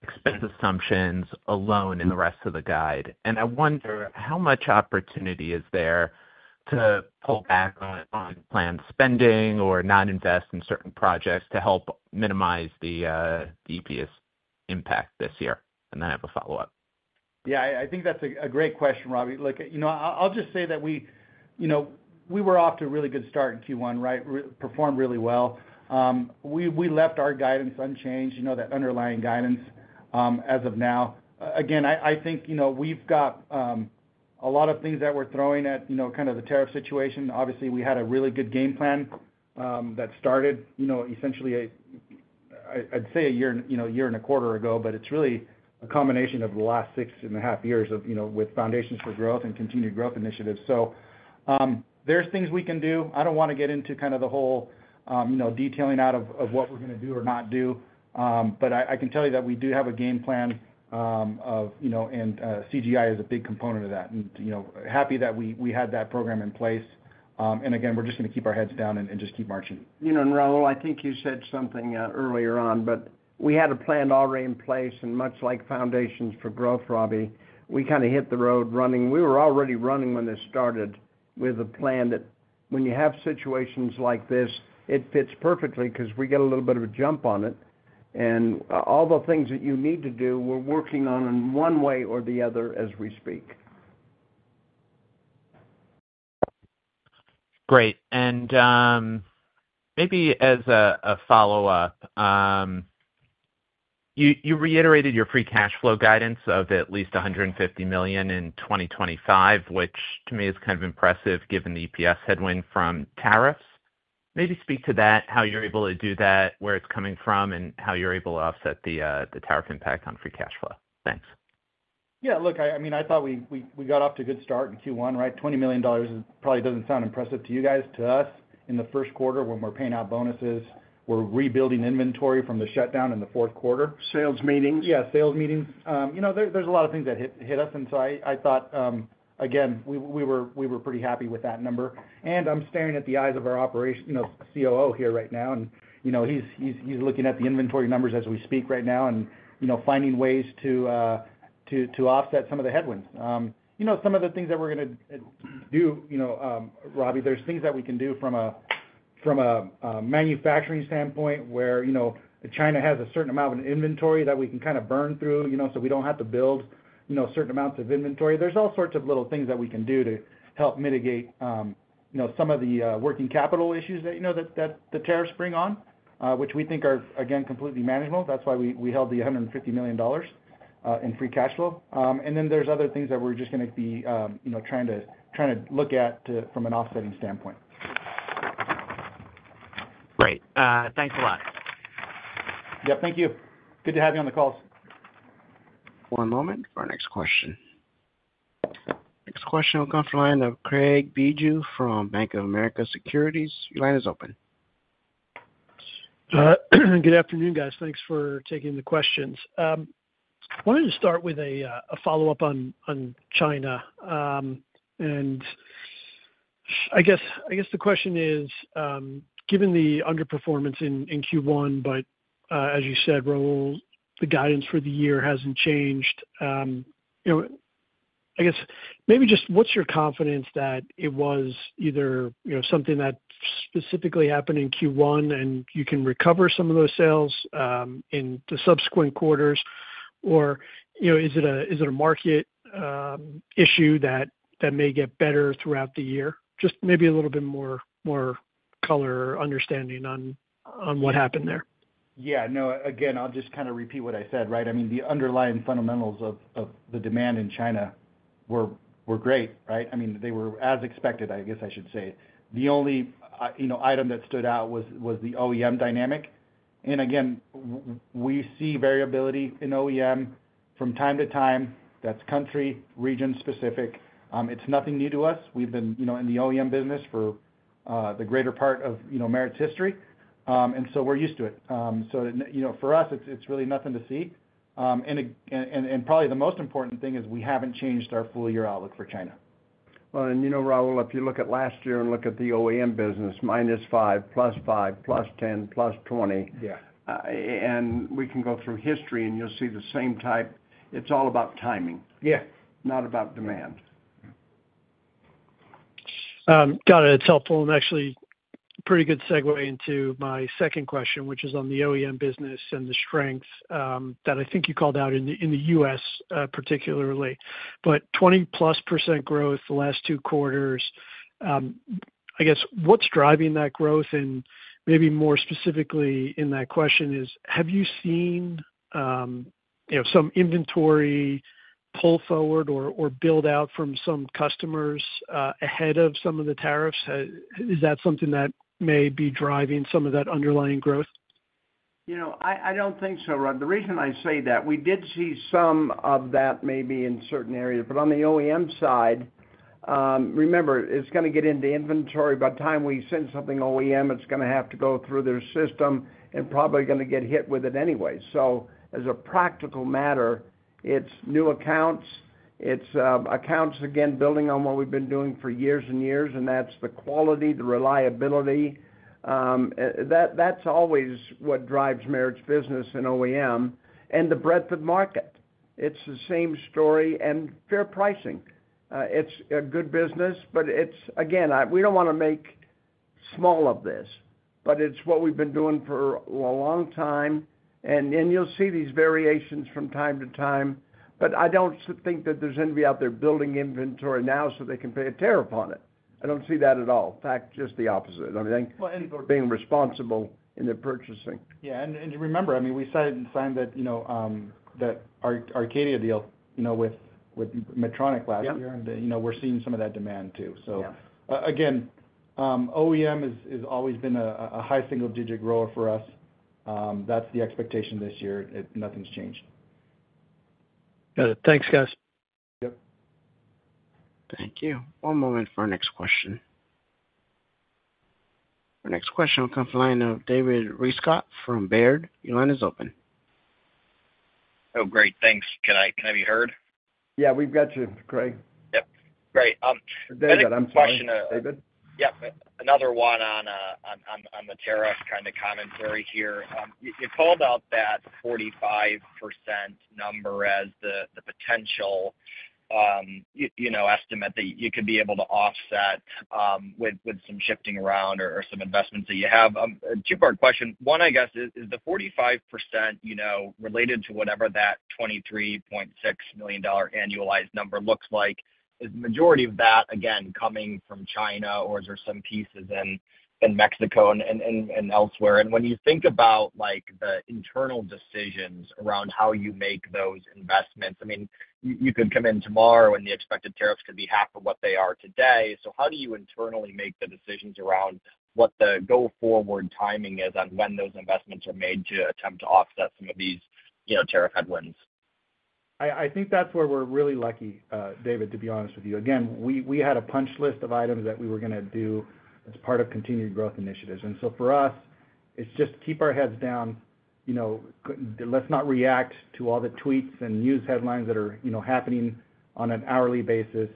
expense assumptions alone in the rest of the guide. I wonder how much opportunity is there to pull back on planned spending or not invest in certain projects to help minimize the EPS impact this year? I have a follow-up. Yeah. I think that's a great question, Robbie Look, I'll just say that we were off to a really good start in Q1, right? Performed really well. We left our guidance unchanged, that underlying guidance as of now. Again, I think we've got a lot of things that we're throwing at kind of the tariff situation. Obviously, we had a really good game plan that started essentially, I'd say, a year and a quarter ago, but it's really a combination of the last six and a half years with foundations for growth and continued growth initiatives. There are things we can do. I don't want to get into kind of the whole detailing out of what we're going to do or not do. I can tell you that we do have a game plan, and CGI is a big component of that. Happy that we had that program in place. Again, we're just going to keep our heads down and just keep marching. Raul, I think you said something earlier on, but we had a plan already in place. Much like foundations for growth, Robbie, we kind of hit the road running. We were already running when this started with a plan that when you have situations like this, it fits perfectly because we get a little bit of a jump on it. All the things that you need to do, we're working on in one way or the other as we speak. Great. Maybe as a follow-up, you reiterated your free cash flow guidance of at least $150 million in 2025, which to me is kind of impressive given the EPS headwind from tariffs. Maybe speak to that, how you're able to do that, where it's coming from, and how you're able to offset the tariff impact on free cash flow. Thanks. Yeah. Look, I mean, I thought we got off to a good start in Q1, right? $20 million probably doesn't sound impressive to you guys, to us. In the first quarter, when we're paying out bonuses, we're rebuilding inventory from the shutdown in the fourth quarter. Sales meetings. Yeah, sales meetings. There's a lot of things that hit us. I thought, again, we were pretty happy with that number. I'm staring at the eyes of our COO here right now. He's looking at the inventory numbers as we speak right now and finding ways to offset some of the headwinds. Some of the things that we're going to do, Robbie, there's things that we can do from a manufacturing standpoint where China has a certain amount of inventory that we can kind of burn through so we don't have to build certain amounts of inventory. There's all sorts of little things that we can do to help mitigate some of the working capital issues that the tariffs bring on, which we think are, again, completely manageable. That's why we held the $150 million in free cash flow. There are other things that we're just going to be trying to look at from an offsetting standpoint. Great. Thanks a lot. Yep. Thank you. Good to have you on the call. One moment for our next question. Next question will come from the line of Craig Bijou from Bank of America Securities. Your line is open. Good afternoon, guys. Thanks for taking the questions. I wanted to start with a follow-up on China. I guess the question is, given the underperformance in Q1, but as you said, Raul, the guidance for the year hasn't changed. I guess maybe just what's your confidence that it was either something that specifically happened in Q1 and you can recover some of those sales in the subsequent quarters, or is it a market issue that may get better throughout the year? Just maybe a little bit more color or understanding on what happened there. Yeah. No, again, I'll just kind of repeat what I said, right? I mean, the underlying fundamentals of the demand in China were great, right? I mean, they were as expected, I guess I should say. The only item that stood out was the OEM dynamic. Again, we see variability in OEM from time to time. That's country, region-specific. It's nothing new to us. We've been in the OEM business for the greater part of Merit's history. We're used to it. For us, it's really nothing to see. Probably the most important thing is we haven't changed our full-year outlook for China. Raul, if you look at last year and look at the OEM business, -5%, +5%, +10%, +20%, and we can go through history and you'll see the same type. It's all about timing, not about demand. Got it. It's helpful and actually a pretty good segue into my second question, which is on the OEM business and the strengths that I think you called out in the U.S. particularly. But 20+% growth the last two quarters, I guess what's driving that growth? And maybe more specifically in that question is, have you seen some inventory pull forward or build out from some customers ahead of some of the tariffs? Is that something that may be driving some of that underlying growth? I don't think so, Craig. The reason I say that, we did see some of that maybe in certain areas. On the OEM side, remember, it's going to get into inventory. By the time we send something OEM, it's going to have to go through their system and probably going to get hit with it anyway. As a practical matter, it's new accounts. It's accounts, again, building on what we've been doing for years and years. That's the quality, the reliability. That's always what drives Merit's business in OEM and the breadth of market. It's the same story and fair pricing. It's a good business, but again, we don't want to make small of this, but it's what we've been doing for a long time. You will see these variations from time to time. I do not think that there is anybody out there building inventory now so they can pay a tariff on it. I do not see that at all. In fact, just the opposite. I think being responsible in their purchasing. Yeah. And remember, I mean, we signed that Arcadia deal with Medtronic last year. And we're seeing some of that demand too. So again, OEM has always been a high single-digit grower for us. That's the expectation this year. Nothing's changed. Got it. Thanks, guys. Yep. Thank you. One moment for our next question. Our next question will come from the line of David Rescott from Baird. Your line is open. Oh, great. Thanks. Can I be heard? Yeah. We've got you, Craig. Yep. Great. I'm sorry, David. Yeah. Another one on the tariff kind of commentary here. You called out that 45% number as the potential estimate that you could be able to offset with some shifting around or some investments that you have. Two-part question. One, I guess, is the 45% related to whatever that $23.6 million annualized number looks like. Is the majority of that, again, coming from China, or is there some pieces in Mexico and elsewhere? When you think about the internal decisions around how you make those investments, I mean, you could come in tomorrow and the expected tariffs could be half of what they are today. How do you internally make the decisions around what the go-forward timing is on when those investments are made to attempt to offset some of these tariff headwinds? I think that's where we're really lucky, David, to be honest with you. Again, we had a punch list of items that we were going to do as part of Continued Growth Initiatives. For us, it's just keep our heads down. Let's not react to all the tweets and news headlines that are happening on an hourly basis.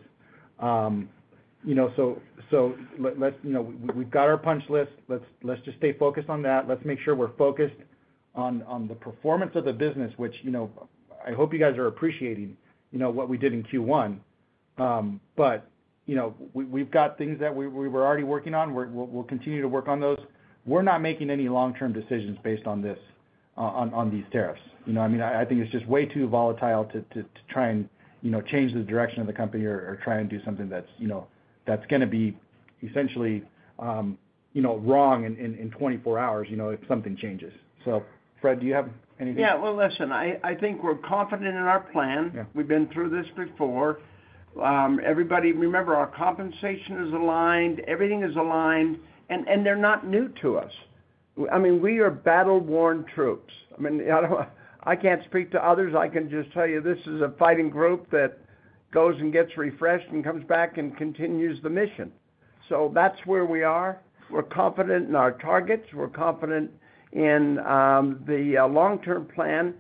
We've got our punch list. Let's just stay focused on that. Let's make sure we're focused on the performance of the business, which I hope you guys are appreciating what we did in Q1. We've got things that we were already working on. We'll continue to work on those. We're not making any long-term decisions based on these tariffs. I mean, I think it's just way too volatile to try and change the direction of the company or try and do something that's going to be essentially wrong in 24 hours if something changes. Fred, do you have anything? Yeah. Listen, I think we're confident in our plan. We've been through this before. Remember, our compensation is aligned. Everything is aligned. They're not new to us. I mean, we are battle-worn troops. I mean, I can't speak to others. I can just tell you this is a fighting group that goes and gets refreshed and comes back and continues the mission. That is where we are. We're confident in our targets. We're confident in the long-term plan.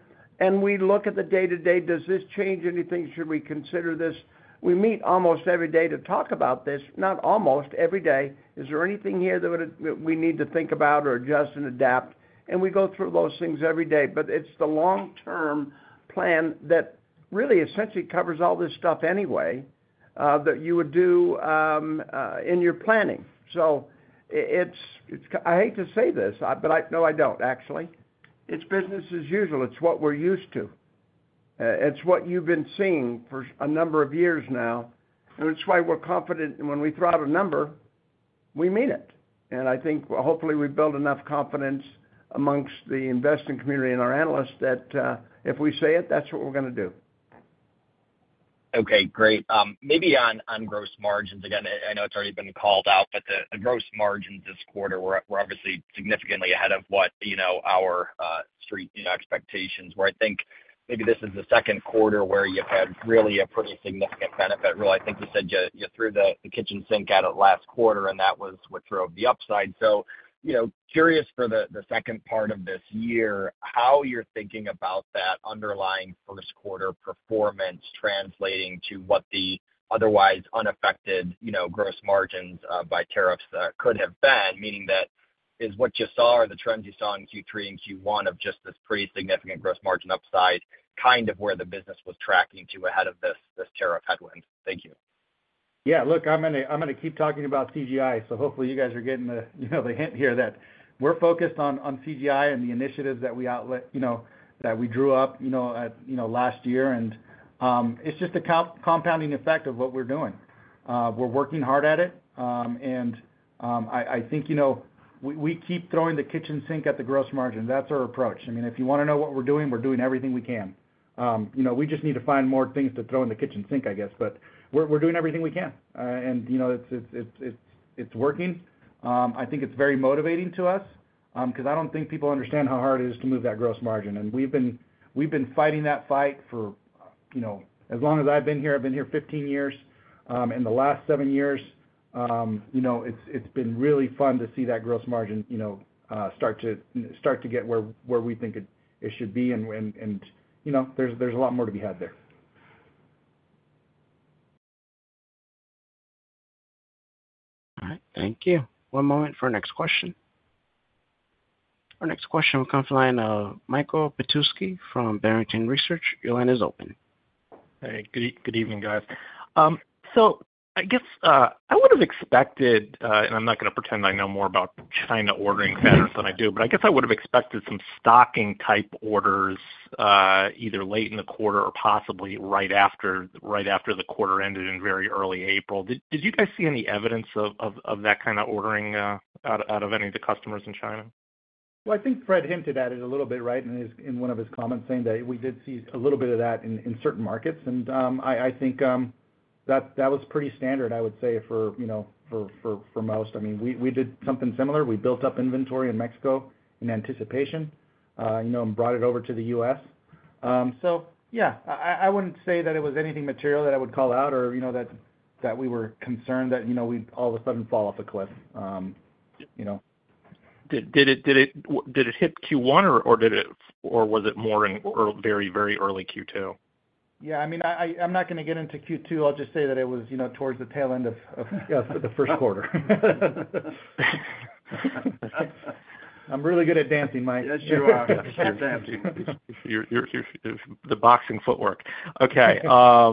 We look at the day-to-day. Does this change anything? Should we consider this? We meet almost every day to talk about this. Not almost. Every day. Is there anything here that we need to think about or adjust and adapt? We go through those things every day. It is the long-term plan that really essentially covers all this stuff anyway that you would do in your planning. I hate to say this, but no, I don't, actually. It's business as usual. It's what we're used to. It's what you've been seeing for a number of years now. It's why we're confident when we throw out a number, we mean it. I think hopefully we build enough confidence amongst the investing community and our analysts that if we say it, that's what we're going to do. Okay. Great. Maybe on gross margins. Again, I know it's already been called out, but the gross margins this quarter were obviously significantly ahead of what our street expectations were. I think maybe this is the second quarter where you've had really a pretty significant benefit. Really, I think you said you threw the kitchen sink at it last quarter, and that was what drove the upside. Curious for the second part of this year, how you're thinking about that underlying first-quarter performance translating to what the otherwise unaffected gross margins by tariffs could have been, meaning that is what you saw or the trends you saw in Q3 and Q1 of just this pretty significant gross margin upside, kind of where the business was tracking to ahead of this tariff headwind. Thank you. Yeah. Look, I'm going to keep talking about CGI. Hopefully you guys are getting the hint here that we're focused on CGI and the initiatives that we drew up last year. It's just a compounding effect of what we're doing. We're working hard at it. I think we keep throwing the kitchen sink at the gross margin. That's our approach. I mean, if you want to know what we're doing, we're doing everything we can. We just need to find more things to throw in the kitchen sink, I guess. We're doing everything we can. It's working. I think it's very motivating to us because I don't think people understand how hard it is to move that gross margin. We've been fighting that fight for as long as I've been here. I've been here 15 years. In the last seven years, it's been really fun to see that gross margin start to get where we think it should be. There's a lot more to be had there. All right. Thank you. One moment for our next question. Our next question will come from Michael Petusky from Barrington Research. Your line is open. Hey. Good evening, guys. I guess I would have expected, and I'm not going to pretend I know more about China ordering patterns than I do, but I guess I would have expected some stocking-type orders either late in the quarter or possibly right after the quarter ended in very early April. Did you guys see any evidence of that kind of ordering out of any of the customers in China? I think Fred hinted at it a little bit, right, in one of his comments saying that we did see a little bit of that in certain markets. I think that was pretty standard, I would say, for most. I mean, we did something similar. We built up inventory in Mexico in anticipation and brought it over to the U.S. Yeah, I would not say that it was anything material that I would call out or that we were concerned that we would all of a sudden fall off a cliff. Did it hit Q1, or was it very, very early Q2? Yeah. I mean, I'm not going to get into Q2. I'll just say that it was towards the tail end of the first quarter. I'm really good at dancing, Mike. Yeah. You are. You're dancing. The boxing footwork. Okay. I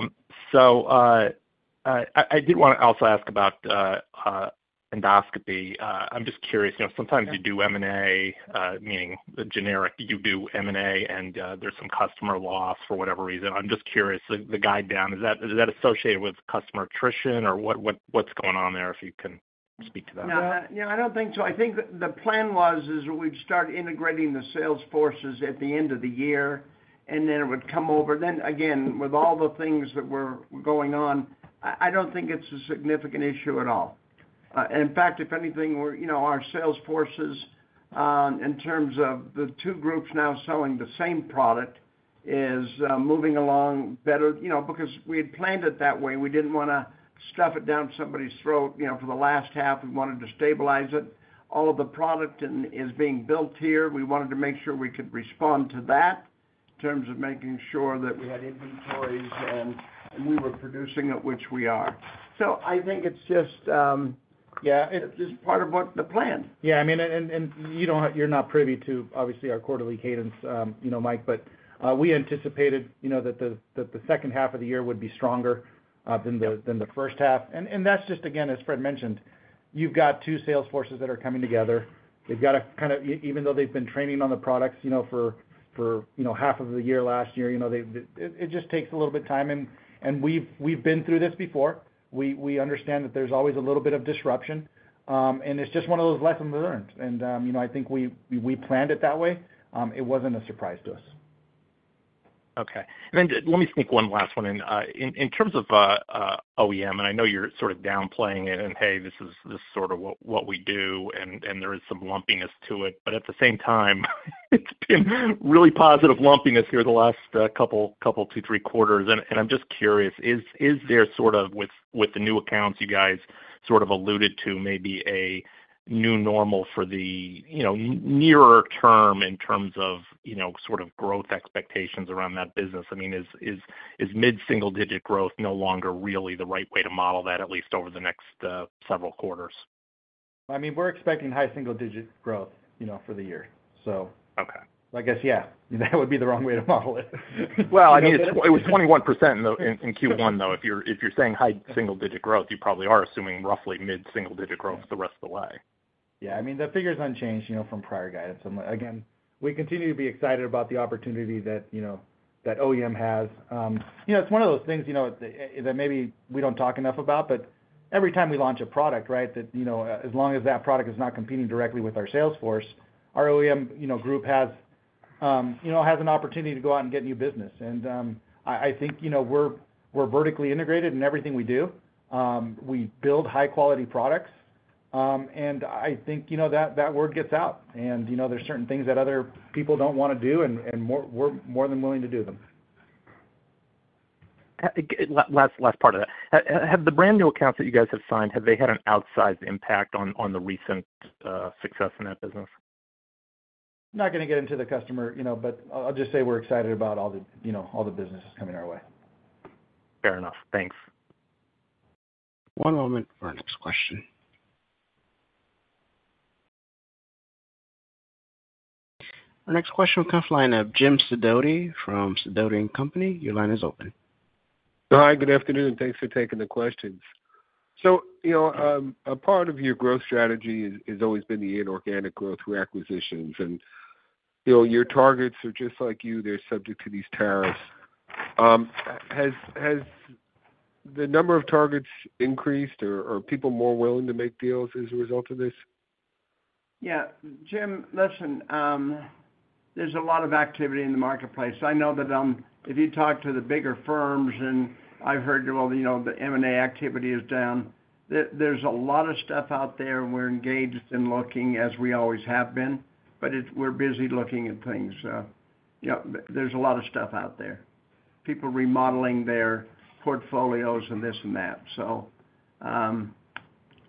did want to also ask about endoscopy. I'm just curious. Sometimes you do M&A, meaning generic, you do M&A, and there's some customer loss for whatever reason. I'm just curious. The guide down, is that associated with customer attrition, or what's going on there if you can speak to that? Yeah. Yeah. I don't think so. I think the plan was we'd start integrating the sales forces at the end of the year, and it would come over. Then again, with all the things that were going on, I don't think it's a significant issue at all. In fact, if anything, our sales forces, in terms of the two groups now selling the same product, is moving along better because we had planned it that way. We didn't want to stuff it down somebody's throat for the last half. We wanted to stabilize it. All of the product is being built here. We wanted to make sure we could respond to that in terms of making sure that we had inventories and we were producing it, which we are. I think it's just, yeah, it's just part of what the plan. Yeah. I mean, and you're not privy to, obviously, our quarterly cadence, Mike, but we anticipated that the second half of the year would be stronger than the first half. That's just, again, as Fred mentioned, you've got two sales forces that are coming together. They've got to kind of, even though they've been training on the products for half of the year last year, it just takes a little bit of time. We've been through this before. We understand that there's always a little bit of disruption. It's just one of those lessons learned. I think we planned it that way. It wasn't a surprise to us. Okay. And then let me sneak one last one in. In terms of OEM, and I know you're sort of downplaying it and, "Hey, this is sort of what we do," and there is some lumpiness to it. At the same time, it's been really positive lumpiness here the last couple of two, three quarters. I'm just curious, is there sort of, with the new accounts you guys sort of alluded to, maybe a new normal for the nearer term in terms of sort of growth expectations around that business? I mean, is mid-single-digit growth no longer really the right way to model that, at least over the next several quarters? I mean, we're expecting high single-digit growth for the year. I guess, yeah, that would be the wrong way to model it. I mean, it was 21% in Q1, though. If you're saying high single-digit growth, you probably are assuming roughly mid-single-digit growth the rest of the way. Yeah. I mean, the figure's unchanged from prior guidance. Again, we continue to be excited about the opportunity that OEM has. It's one of those things that maybe we don't talk enough about, but every time we launch a product, right, that as long as that product is not competing directly with our sales force, our OEM group has an opportunity to go out and get new business. I think we're vertically integrated in everything we do. We build high-quality products. I think that word gets out. There are certain things that other people don't want to do, and we're more than willing to do them. Last part of that. Have the brand new accounts that you guys have signed, have they had an outsized impact on the recent success in that business? I'm not going to get into the customer, but I'll just say we're excited about all the businesses coming our way. Fair enough. Thanks. One moment for our next question. Our next question will come from Jim Sidoti from Sidoti & Company. Your line is open. Hi. Good afternoon. Thanks for taking the questions. A part of your growth strategy has always been the inorganic growth reacquisitions. Your targets are just like you. They're subject to these tariffs. Has the number of targets increased, or are people more willing to make deals as a result of this? Yeah. Jim, listen, there's a lot of activity in the marketplace. I know that if you talk to the bigger firms, and I've heard that, well, the M&A activity is down. There's a lot of stuff out there, and we're engaged in looking as we always have been. We're busy looking at things. There's a lot of stuff out there. People remodeling their portfolios and this and that.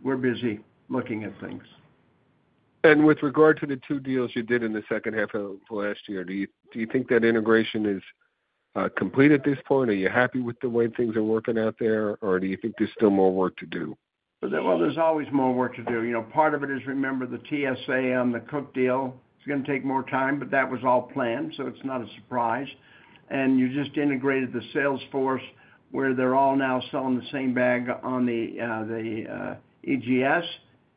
We're busy looking at things. With regard to the two deals you did in the second half of last year, do you think that integration is complete at this point? Are you happy with the way things are working out there, or do you think there's still more work to do? There is always more work to do. Part of it is, remember, the TSA on the Cook deal. It is going to take more time, but that was all planned, so it is not a surprise. You just integrated the sales force where they are all now selling the same bag on the EGS.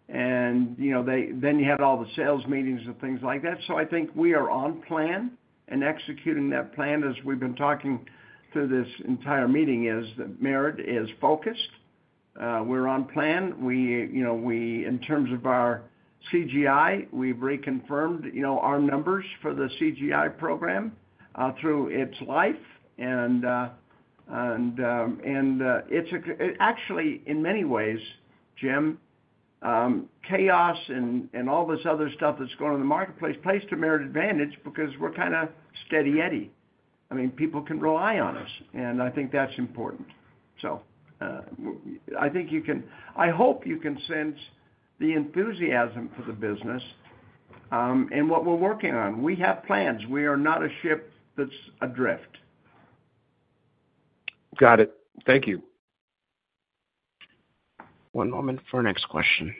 You had all the sales meetings and things like that. I think we are on plan and executing that plan as we have been talking through this entire meeting, that Merit is focused. We are on plan. In terms of our CGI, we have reconfirmed our numbers for the CGI program through its life. It is actually, in many ways, Jim, chaos and all this other stuff that is going on in the marketplace plays to Merit's advantage because we are kind of steady-edy. I mean, people can rely on us. I think that is important. I think you can—I hope you can sense the enthusiasm for the business and what we're working on. We have plans. We are not a ship that's adrift. Got it. Thank you. One moment for our next question.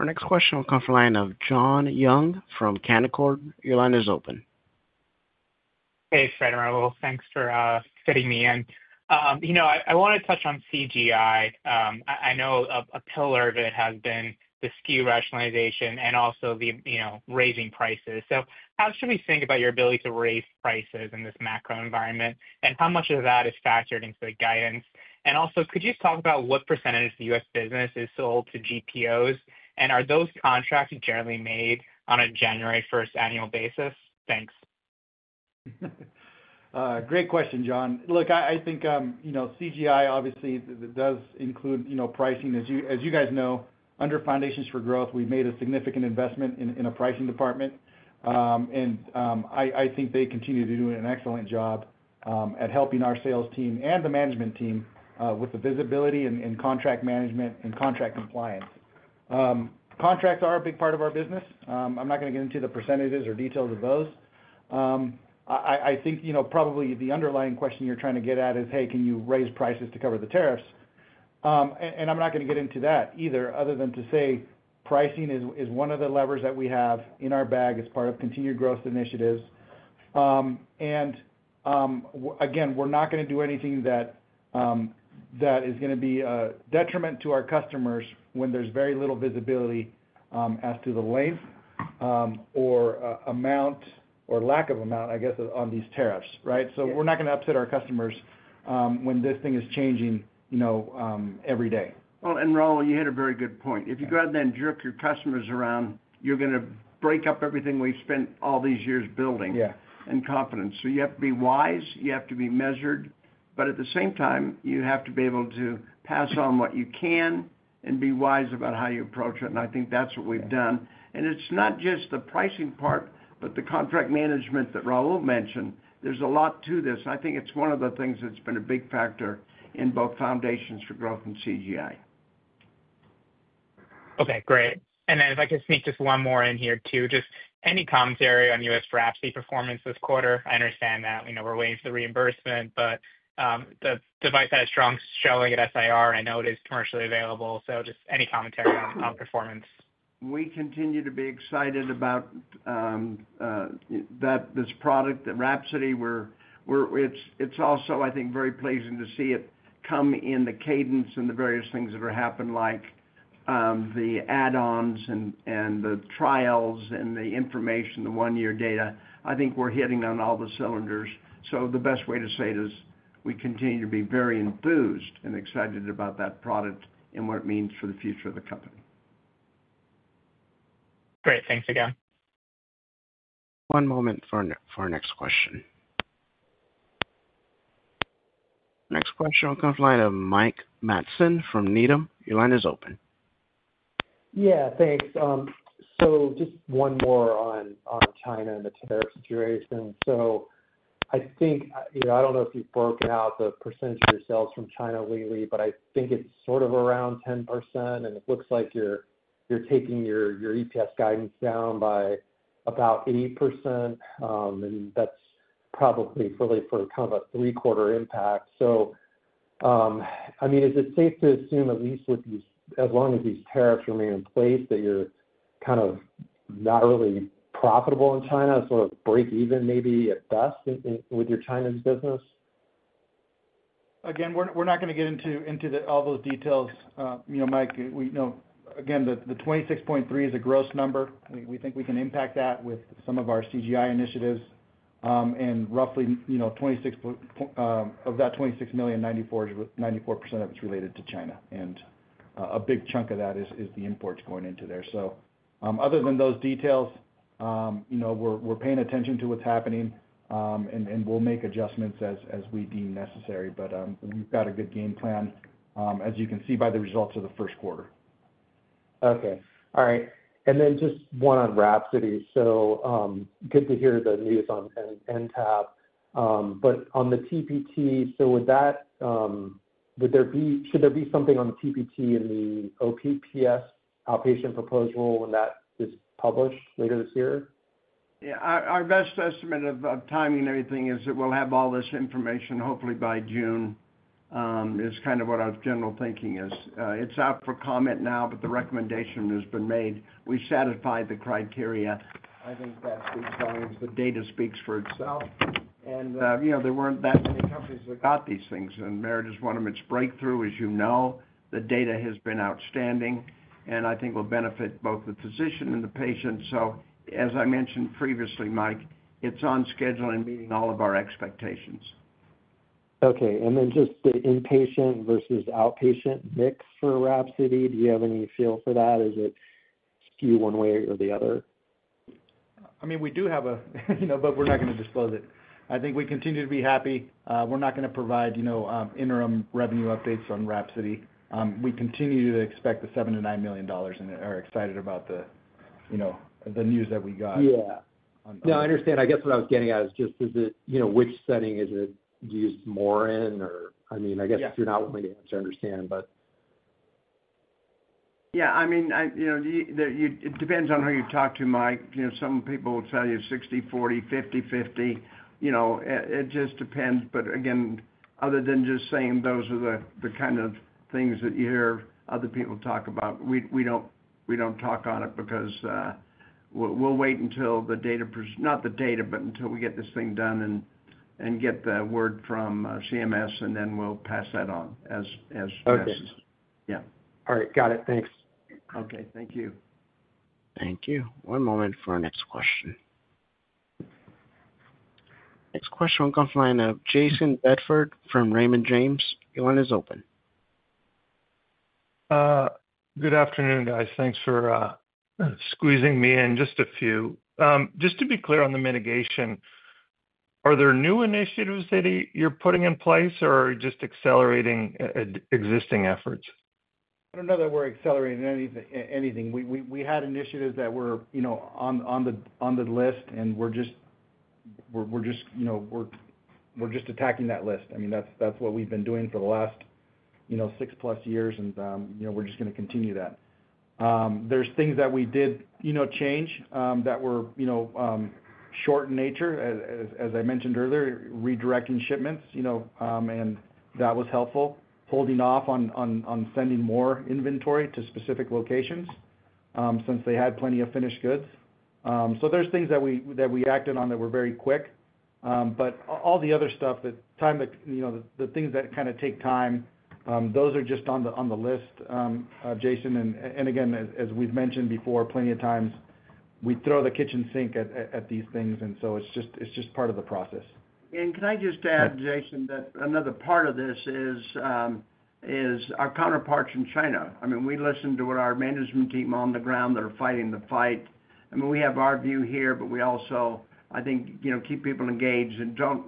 Our next question will come from Jon Young from Canaccord. Your line is open. Hey, Fred. Thanks for fitting me in. I want to touch on CGI. I know a pillar of it has been the skew rationalization and also the raising prices. How should we think about your ability to raise prices in this macro environment, and how much of that is factored into the guidance? Also, could you talk about what percentage of the U.S. business is sold to GPOs, and are those contracts generally made on a January 1st annual basis? Thanks. Great question, John. Look, I think CGI obviously does include pricing. As you guys know, under Foundations for Growth, we've made a significant investment in a pricing department. I think they continue to do an excellent job at helping our sales team and the management team with the visibility and contract management and contract compliance. Contracts are a big part of our business. I'm not going to get into the percentages or details of those. I think probably the underlying question you're trying to get at is, "Hey, can you raise prices to cover the tariffs?" I'm not going to get into that either other than to say pricing is one of the levers that we have in our bag as part of continued growth initiatives. We're not going to do anything that is going to be a detriment to our customers when there's very little visibility as to the length or amount or lack of amount, I guess, on these tariffs, right? We're not going to upset our customers when this thing is changing every day. Raul, you hit a very good point. If you go out there and jerk your customers around, you're going to break up everything we've spent all these years building and confidence. You have to be wise. You have to be measured. At the same time, you have to be able to pass on what you can and be wise about how you approach it. I think that's what we've done. It's not just the pricing part, but the contract management that Raul mentioned. There's a lot to this. I think it's one of the things that's been a big factor in both Foundations for Growth and CGI. Okay. Great. If I could sneak just one more in here too, just any commentary on U.S. WRAPSODY performance this quarter? I understand that we're waiting for the reimbursement, but the device had a strong showing at SIR. I know it is commercially available. Just any commentary on performance? We continue to be excited about this product, the WRAPSODY. It's also, I think, very pleasing to see it come in the cadence and the various things that are happening, like the add-ons and the trials and the information, the one-year data. I think we're hitting on all the cylinders. The best way to say it is we continue to be very enthused and excited about that product and what it means for the future of the company. Great. Thanks again. One moment for our next question. Next question will come from Mike Matson from Needham. Your line is open. Yeah. Thanks. Just one more on China and the tariff situation. I think I do not know if you've broken out the percentage of your sales from China lately, but I think it's sort of around 10%. It looks like you're taking your EPS guidance down by about 8%. That's probably really for kind of a three-quarter impact. I mean, is it safe to assume, at least as long as these tariffs remain in place, that you're kind of not really profitable in China, sort of break even maybe at best with your Chinese business? Again, we're not going to get into all those details. Mike, again, the 26.3 is a gross number. We think we can impact that with some of our CGI initiatives. And roughly of that $26 million, 94% of it's related to China. A big chunk of that is the imports going into there. Other than those details, we're paying attention to what's happening, and we'll make adjustments as we deem necessary. We've got a good game plan, as you can see by the results of the first quarter. Okay. All right. And then just one on WRAPSODY. Good to hear the news on NTAP. On the TPT, should there be something on the TPT and the OPPS outpatient proposal when that is published later this year? Yeah. Our best estimate of timing and everything is that we'll have all this information hopefully by June. It's kind of what our general thinking is. It's out for comment now, but the recommendation has been made. We satisfy the criteria. I think that speaks volumes. The data speaks for itself. There weren't that many companies that got these things. Merit is one of its breakthroughs, as you know. The data has been outstanding. I think it will benefit both the physician and the patient. As I mentioned previously, Mike, it's on schedule and meeting all of our expectations. Okay. And then just the inpatient versus outpatient mix for WRAPSODY, do you have any feel for that? Is it skew one way or the other? I mean, we do have a, but we're not going to disclose it. I think we continue to be happy. We're not going to provide interim revenue updates on WRAPSODY. We continue to expect the $7 million-$9 million and are excited about the news that we got. Yeah. No, I understand. I guess what I was getting at is just is it—which setting is it used more in? I mean, I guess if you're not willing to answer, I understand, but. Yeah. I mean, it depends on who you talk to, Mike. Some people will tell you 60/40, 50/50. It just depends. Again, other than just saying those are the kind of things that you hear other people talk about, we do not talk on it because we will wait until the data—not the data, but until we get this thing done and get the word from CMS, and then we will pass that on as. Okay. All right. Got it. Thanks. Okay. Thank you. Thank you. One moment for our next question. Next question will come from Jason Bedford from Raymond James. Your line is open. Good afternoon, guys. Thanks for squeezing me in just a few. Just to be clear on the mitigation, are there new initiatives that you're putting in place or just accelerating existing efforts? I don't know that we're accelerating anything. We had initiatives that were on the list, and we're just attacking that list. I mean, that's what we've been doing for the last six-plus years, and we're just going to continue that. There are things that we did change that were short in nature, as I mentioned earlier, redirecting shipments. That was helpful. Holding off on sending more inventory to specific locations since they had plenty of finished goods. There are things that we acted on that were very quick. All the other stuff, the things that kind of take time, those are just on the list, Jayson. Again, as we've mentioned before plenty of times, we throw the kitchen sink at these things. It is just part of the process. Can I just add, Jayson, that another part of this is our counterparts in China. I mean, we listen to what our management team on the ground that are fighting the fight. I mean, we have our view here, but we also, I think, keep people engaged and do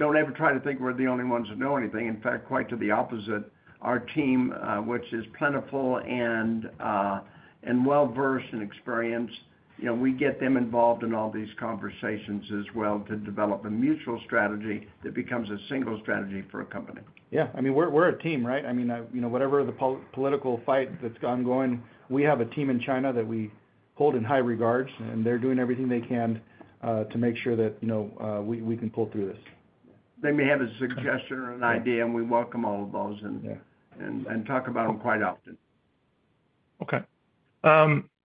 not ever try to think we are the only ones that know anything. In fact, quite to the opposite. Our team, which is plentiful and well-versed and experienced, we get them involved in all these conversations as well to develop a mutual strategy that becomes a single strategy for a company. Yeah. I mean, we're a team, right? I mean, whatever the political fight that's ongoing, we have a team in China that we hold in high regards, and they're doing everything they can to make sure that we can pull through this. They may have a suggestion or an idea, and we welcome all of those and talk about them quite often. Okay.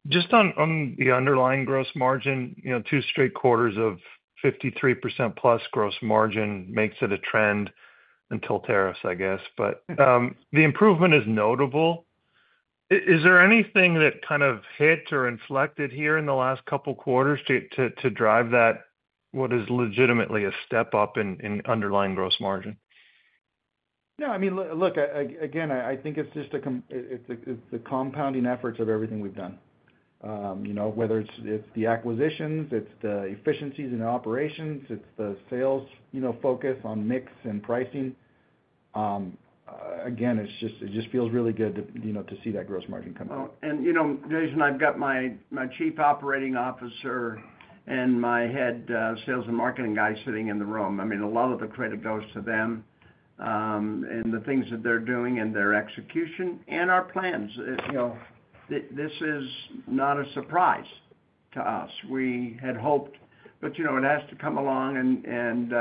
Just on the underlying gross margin, two straight quarters of 53%+ gross margin makes it a trend until tariffs, I guess. The improvement is notable. Is there anything that kind of hit or inflected here in the last couple of quarters to drive that what is legitimately a step up in underlying gross margin? No. I mean, look, again, I think it's just the compounding efforts of everything we've done. Whether it's the acquisitions, it's the efficiencies in operations, it's the sales focus on mix and pricing. Again, it just feels really good to see that gross margin come through. Jason, I've got my Chief Operating Officer and my head sales and marketing guy sitting in the room. I mean, a lot of the credit goes to them and the things that they're doing and their execution and our plans. This is not a surprise to us. We had hoped, but it has to come along, and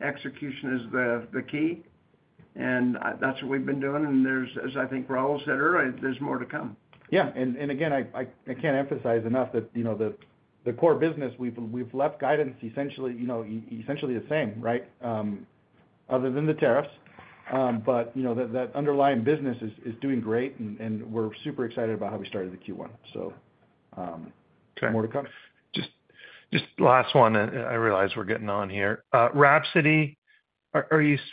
execution is the key. That's what we've been doing. As I think Raul said earlier, there's more to come. Yeah. I can't emphasize enough that the core business, we've left guidance essentially the same, right, other than the tariffs. That underlying business is doing great, and we're super excited about how we started the Q1. More to come. Just last one. I realize we're getting on here. WRAPSODY,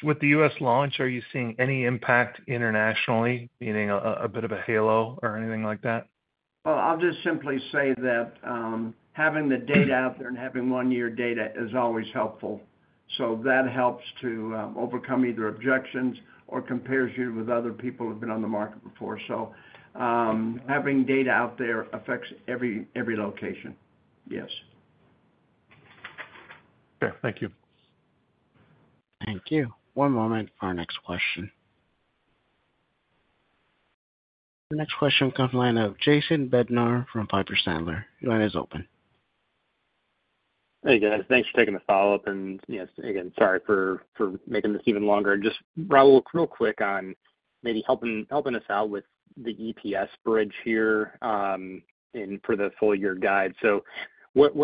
with the U.S. launch, are you seeing any impact internationally, meaning a bit of a halo or anything like that? I'll just simply say that having the data out there and having one-year data is always helpful. That helps to overcome either objections or compares you with other people who have been on the market before. Having data out there affects every location. Yes. Okay. Thank you. Thank you. One moment for our next question. Next question will come from Jason Bednar from Piper Sandler. Your line is open. Hey, guys. Thanks for taking the follow-up. Again, sorry for making this even longer. Just Raul, real quick on maybe helping us out with the EPS bridge here for the full-year guide. I feel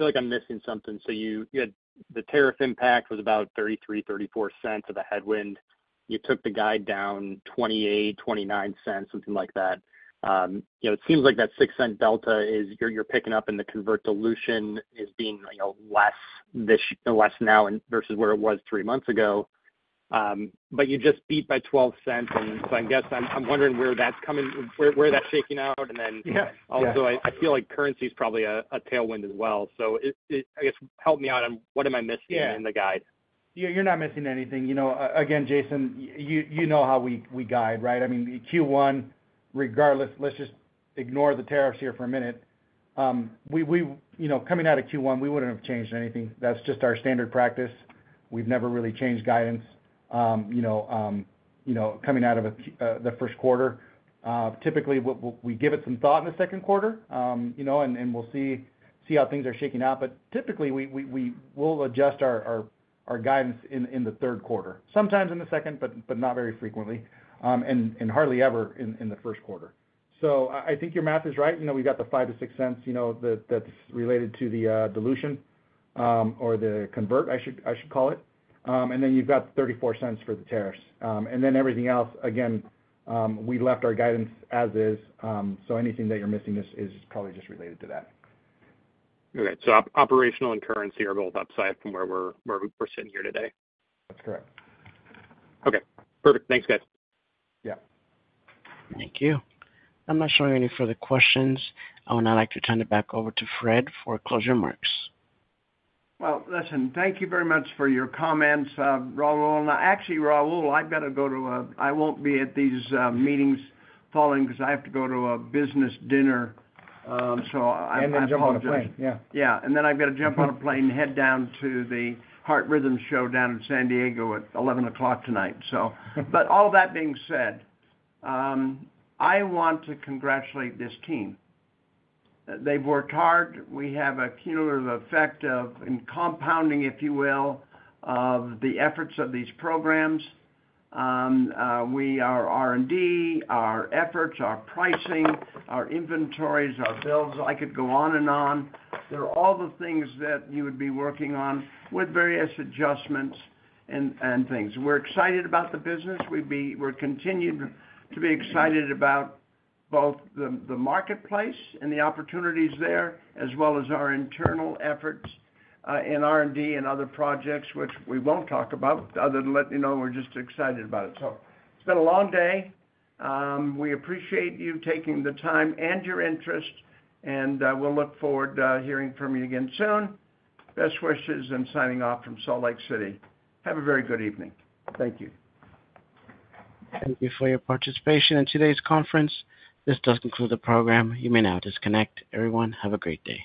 like I'm missing something. The tariff impact was about $0.33, $0.34 of a headwind. You took the guide down $0.28, $0.29, something like that. It seems like that $0.06 delta is you're picking up in the convert dilution is being less now versus where it was three months ago. You just beat by $0.12. I guess I'm wondering where that's coming, where that's shaking out. I also feel like currency is probably a tailwind as well. I guess help me out on what am I missing in the guide? Yeah. You're not missing anything. Again, Jason, you know how we guide, right? I mean, Q1, regardless, let's just ignore the tariffs here for a minute. Coming out of Q1, we wouldn't have changed anything. That's just our standard practice. We've never really changed guidance coming out of the first quarter. Typically, we give it some thought in the second quarter, and we'll see how things are shaking out. Typically, we will adjust our guidance in the third quarter. Sometimes in the second, but not very frequently, and hardly ever in the first quarter. I think your math is right. We've got the $0.05-$0.06 that's related to the dilution or the convert, I should call it. Then you've got $0.34 for the tariffs. Everything else, again, we left our guidance as is. Anything that you're missing is probably just related to that. Okay. Operational and currency are both upside from where we're sitting here today. That's correct. Okay. Perfect. Thanks, guys. Yeah. Thank you. I'm not showing any further questions. I would now like to turn it back over to Fred for closing remarks. Thank you very much for your comments. Actually, Raul, I better go to a—I won't be at these meetings falling because I have to go to a business dinner. So I've got to jump on a plane. Jump on a plane. Yeah. I have to jump on a plane and head down to the Heart Rhythm Show in San Diego at 11:00 P.M. tonight. All that being said, I want to congratulate this team. They've worked hard. We have a cumulative effect of compounding, if you will, of the efforts of these programs. We are R&D, our efforts, our pricing, our inventories, our bills. I could go on and on. There are all the things that you would be working on with various adjustments and things. We're excited about the business. We're continuing to be excited about both the marketplace and the opportunities there, as well as our internal efforts in R&D and other projects, which we will not talk about other than letting you know we're just excited about it. It has been a long day. We appreciate you taking the time and your interest, and we'll look forward to hearing from you again soon. Best wishes and signing off from Salt Lake City. Have a very good evening. Thank you. Thank you for your participation in today's conference. This does conclude the program. You may now disconnect. Everyone, have a great day.